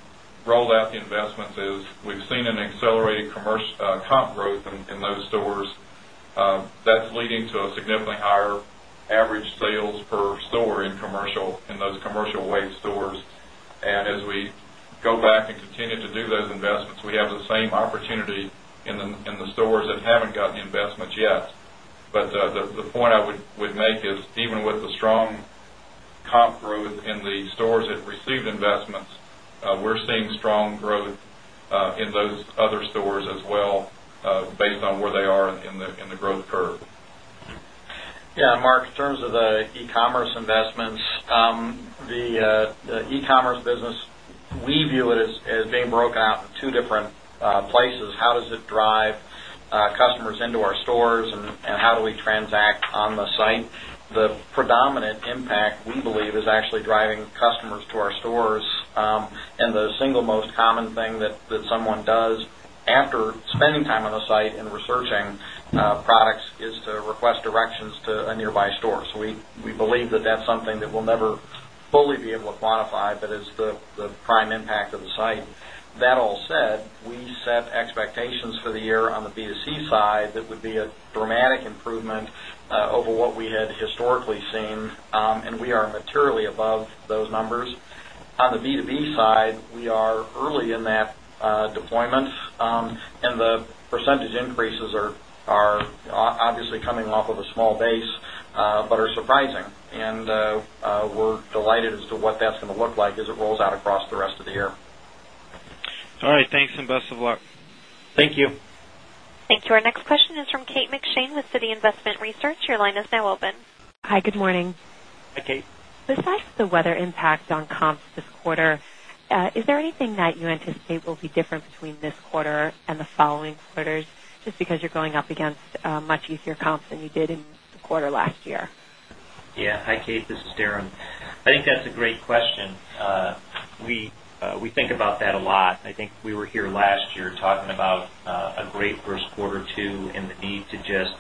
[SPEAKER 4] rolled out the investments is we've seen an accelerated comp growth in those stores that's leading to a significantly higher average sales per store in commercial in those commercial weight stores. And as we go back and continue to
[SPEAKER 7] do those investments, we have the same
[SPEAKER 4] opportunity in the stores that haven't gotten the we have the same opportunity in the stores that haven't got the investments yet. But the point I would make is even with the strong comp growth in the stores that received investments, we're seeing strong
[SPEAKER 5] commerce business, we commerce business, we view it as being broken out in 2 different places. How does it drive customers into our stores and how do we transact on the site? The predominant impact we believe is actually driving customers to our stores. And the single most common thing that someone does after spending time on the site and researching products is to request directions to a nearby store. So, we believe that that's something that we'll never fully be able to quantify, but it's the prime impact of the site. That all said, we set expectations for the year on the B2C side that would be a dramatic improvement over what we had historically seen and we are materially above those numbers. On the B2B side, we are early in that deployment and the percentage increases are obviously coming off of a small base, but are surprising. And we're delighted as to what that's going to look like as it rolls out across the rest of the year.
[SPEAKER 10] All right. Thanks and best of luck. Thank you.
[SPEAKER 1] Thank you. Our next question is from Kate McShane with Citi Investment Research. Your line is now open.
[SPEAKER 17] Hi, good morning. Hi, Kate. Besides the weather impact on comps this quarter, is there anything that you anticipate will be different between this quarter and the following quarters just because you're going up against much easier comps than you did in the quarter last year?
[SPEAKER 3] Yes. Hi, Kate. This is Darren. I think that's a great question. We think about that a lot. I think we were here last year talking about a great Q1 too and the need to just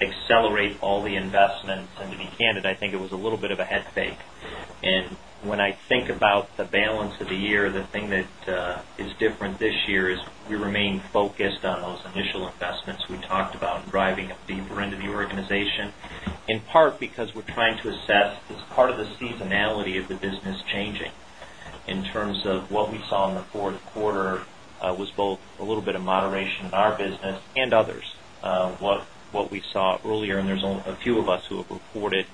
[SPEAKER 3] accelerate all the investments and to be candid, I think it was a little bit
[SPEAKER 11] of a head
[SPEAKER 3] fake. And when I think about the balance of the year, the thing that is different this year is we remain focused on those initial investments we talked about driving deeper into the organization, in part because we're trying to assess this part of the seasonality of the business changing. In terms of what we saw in the Q4 was both a little bit of moderation in our business and others. What we saw earlier and there's a few of us who have reported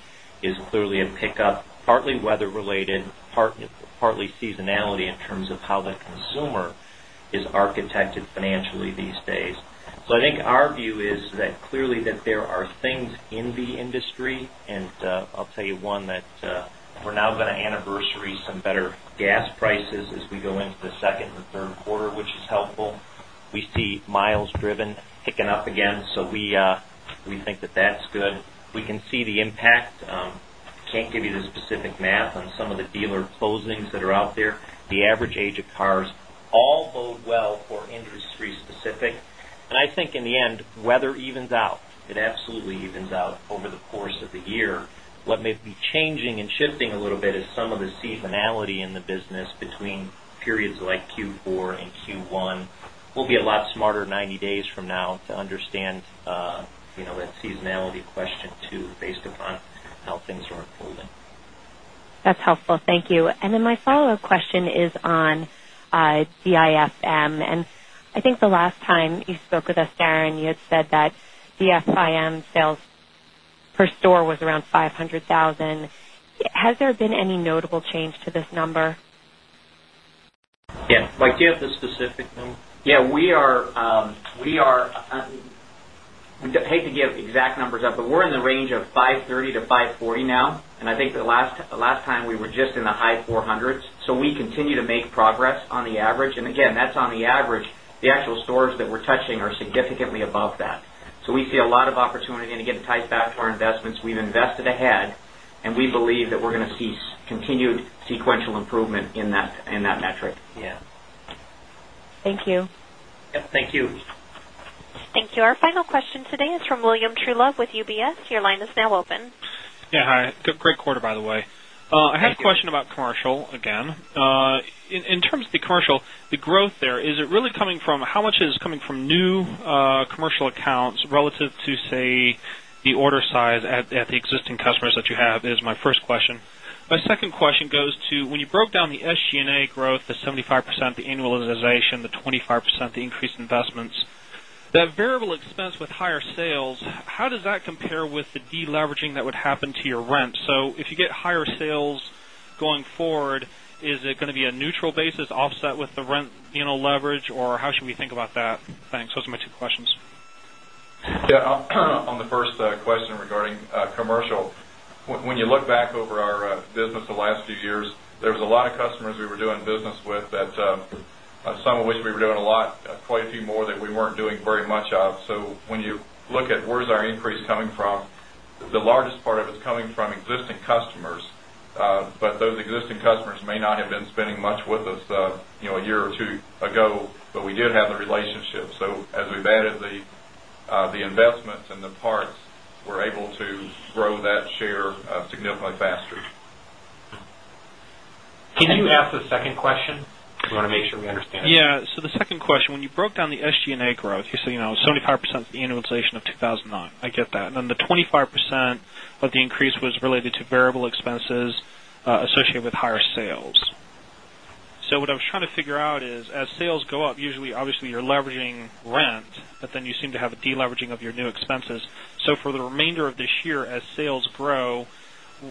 [SPEAKER 3] is clearly a pickup, partly weather related, partly seasonality in terms of how the consumer is architected financially these days. So I think our view is that clearly that there are things in the industry and I'll tell you one that we're now going to anniversary some better gas prices as we go into the 2nd Q3, which is helpful. We see miles driven picking up again. So we think that that's good. We can see the impact. I can't give you the specific math on some of the dealer closings that are out there. The average age of cars all bode well for industry specific. And I think in the end weather evens out. It absolutely evens out over the course of the year. What may be changing and shifting a little bit is some of the seasonality in the business between periods like Q4 and Q1. We'll be a lot smarter 90 days from now to understand that seasonality question too based upon how things are unfolding.
[SPEAKER 17] That's helpful. Thank you. And then my follow-up question is on DIFM. And I think the last time you spoke with us Darren you had said that DIFM sales per store was around $500,000 Has there been any notable change to this number?
[SPEAKER 3] Yes. Mike, do you have the specific number? Yes, we
[SPEAKER 6] are we don't hate to give exact numbers up, but we're in the range of $530,000,000 to $540,000,000 now. And I think the last time we were just in the high 400s. So we continue to make progress on the average. And again, that's on the average. The actual stores that we're touching are significantly above that. So we see a lot of opportunity and again ties back to our investments. We've invested ahead and we believe that we're going to see continued sequential improvement in that metric.
[SPEAKER 17] Yes. Thank you.
[SPEAKER 1] Thank you. Our final question today is from William Treulog with UBS. Your line is now open.
[SPEAKER 14] Yes, Great quarter by the way. I have a question about commercial again. In terms of the commercial, the growth there, is it really coming from how much is coming from new commercial accounts relative to say the order size at the existing customers that you have is my first question. My second question goes to when you broke down the SG and A growth, the 75% the annualization, the 25% the increased investments, that variable expense with higher sales, how does that compare with the deleveraging that would happen to your rent? So, if you get higher sales going forward, is it going to be a neutral basis offset with the rent leverage or how should we think about that? Thanks. Those are my 2 questions.
[SPEAKER 4] Yes. On the first question regarding commercial, when you look back over our business the last few years, there was a lot of customers we were doing business with that some of which we were doing a lot, quite a few more that we weren't doing very much of. So, when you look at where is our increase coming from, the largest part of it is coming existing customers, but those existing customers may not have been spending much with us a year or 2 ago, but we did have the relationship. So, as we've added the investments and the parts, we're able to grow that share significantly faster.
[SPEAKER 3] Can you ask the second question?
[SPEAKER 8] I want to make sure we understand it.
[SPEAKER 14] Yes. So, the second question, when you broke down the SG and A growth, you said 75% annualization of 2009, I get that. And then the 25% of the increase was related to variable expenses associated with higher sales. So what I was trying to figure out is, as sales go up, usually obviously you're leveraging rent, but then you seem to have a deleveraging of your new expenses. So for the remainder of this year as sales grow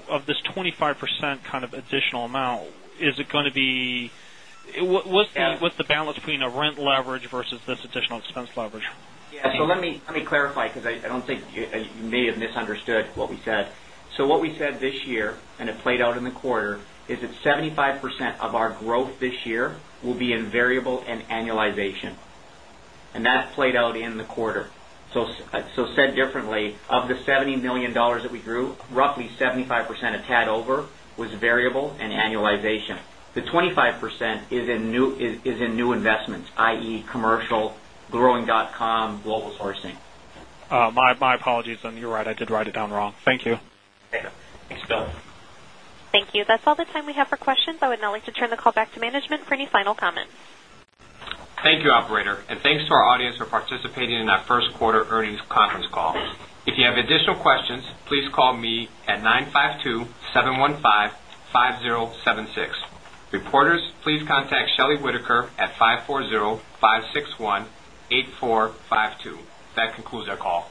[SPEAKER 14] of this 25% kind of additional amount,
[SPEAKER 4] is
[SPEAKER 14] it going to be what's the balance between a rent leverage versus this additional expense leverage?
[SPEAKER 6] Yes. So let me clarify, because I don't think you may have misunderstood what we said. So what we said this year and it played out in the quarter is that 75% of our growth this year will be in variable and annualization. And that played out in the quarter. So said differently, of the $70,000,000 that we grew, roughly 75 percent a tad over was variable and annualization. The 25% is in new investments, I. E. Commercial, growing.com, global sourcing.
[SPEAKER 14] My apologies. And you're right, I did write it down wrong. Thank you.
[SPEAKER 11] Thanks, Bill.
[SPEAKER 1] Thank you. That's all the time we have for questions. I would now like to turn the call back to management for any final comments.
[SPEAKER 2] Thank you, operator, and thanks to our audience for participating in our Q1 earnings conference call. If you have additional questions, please call me at 952-seven 15five 561-8452. That concludes our call.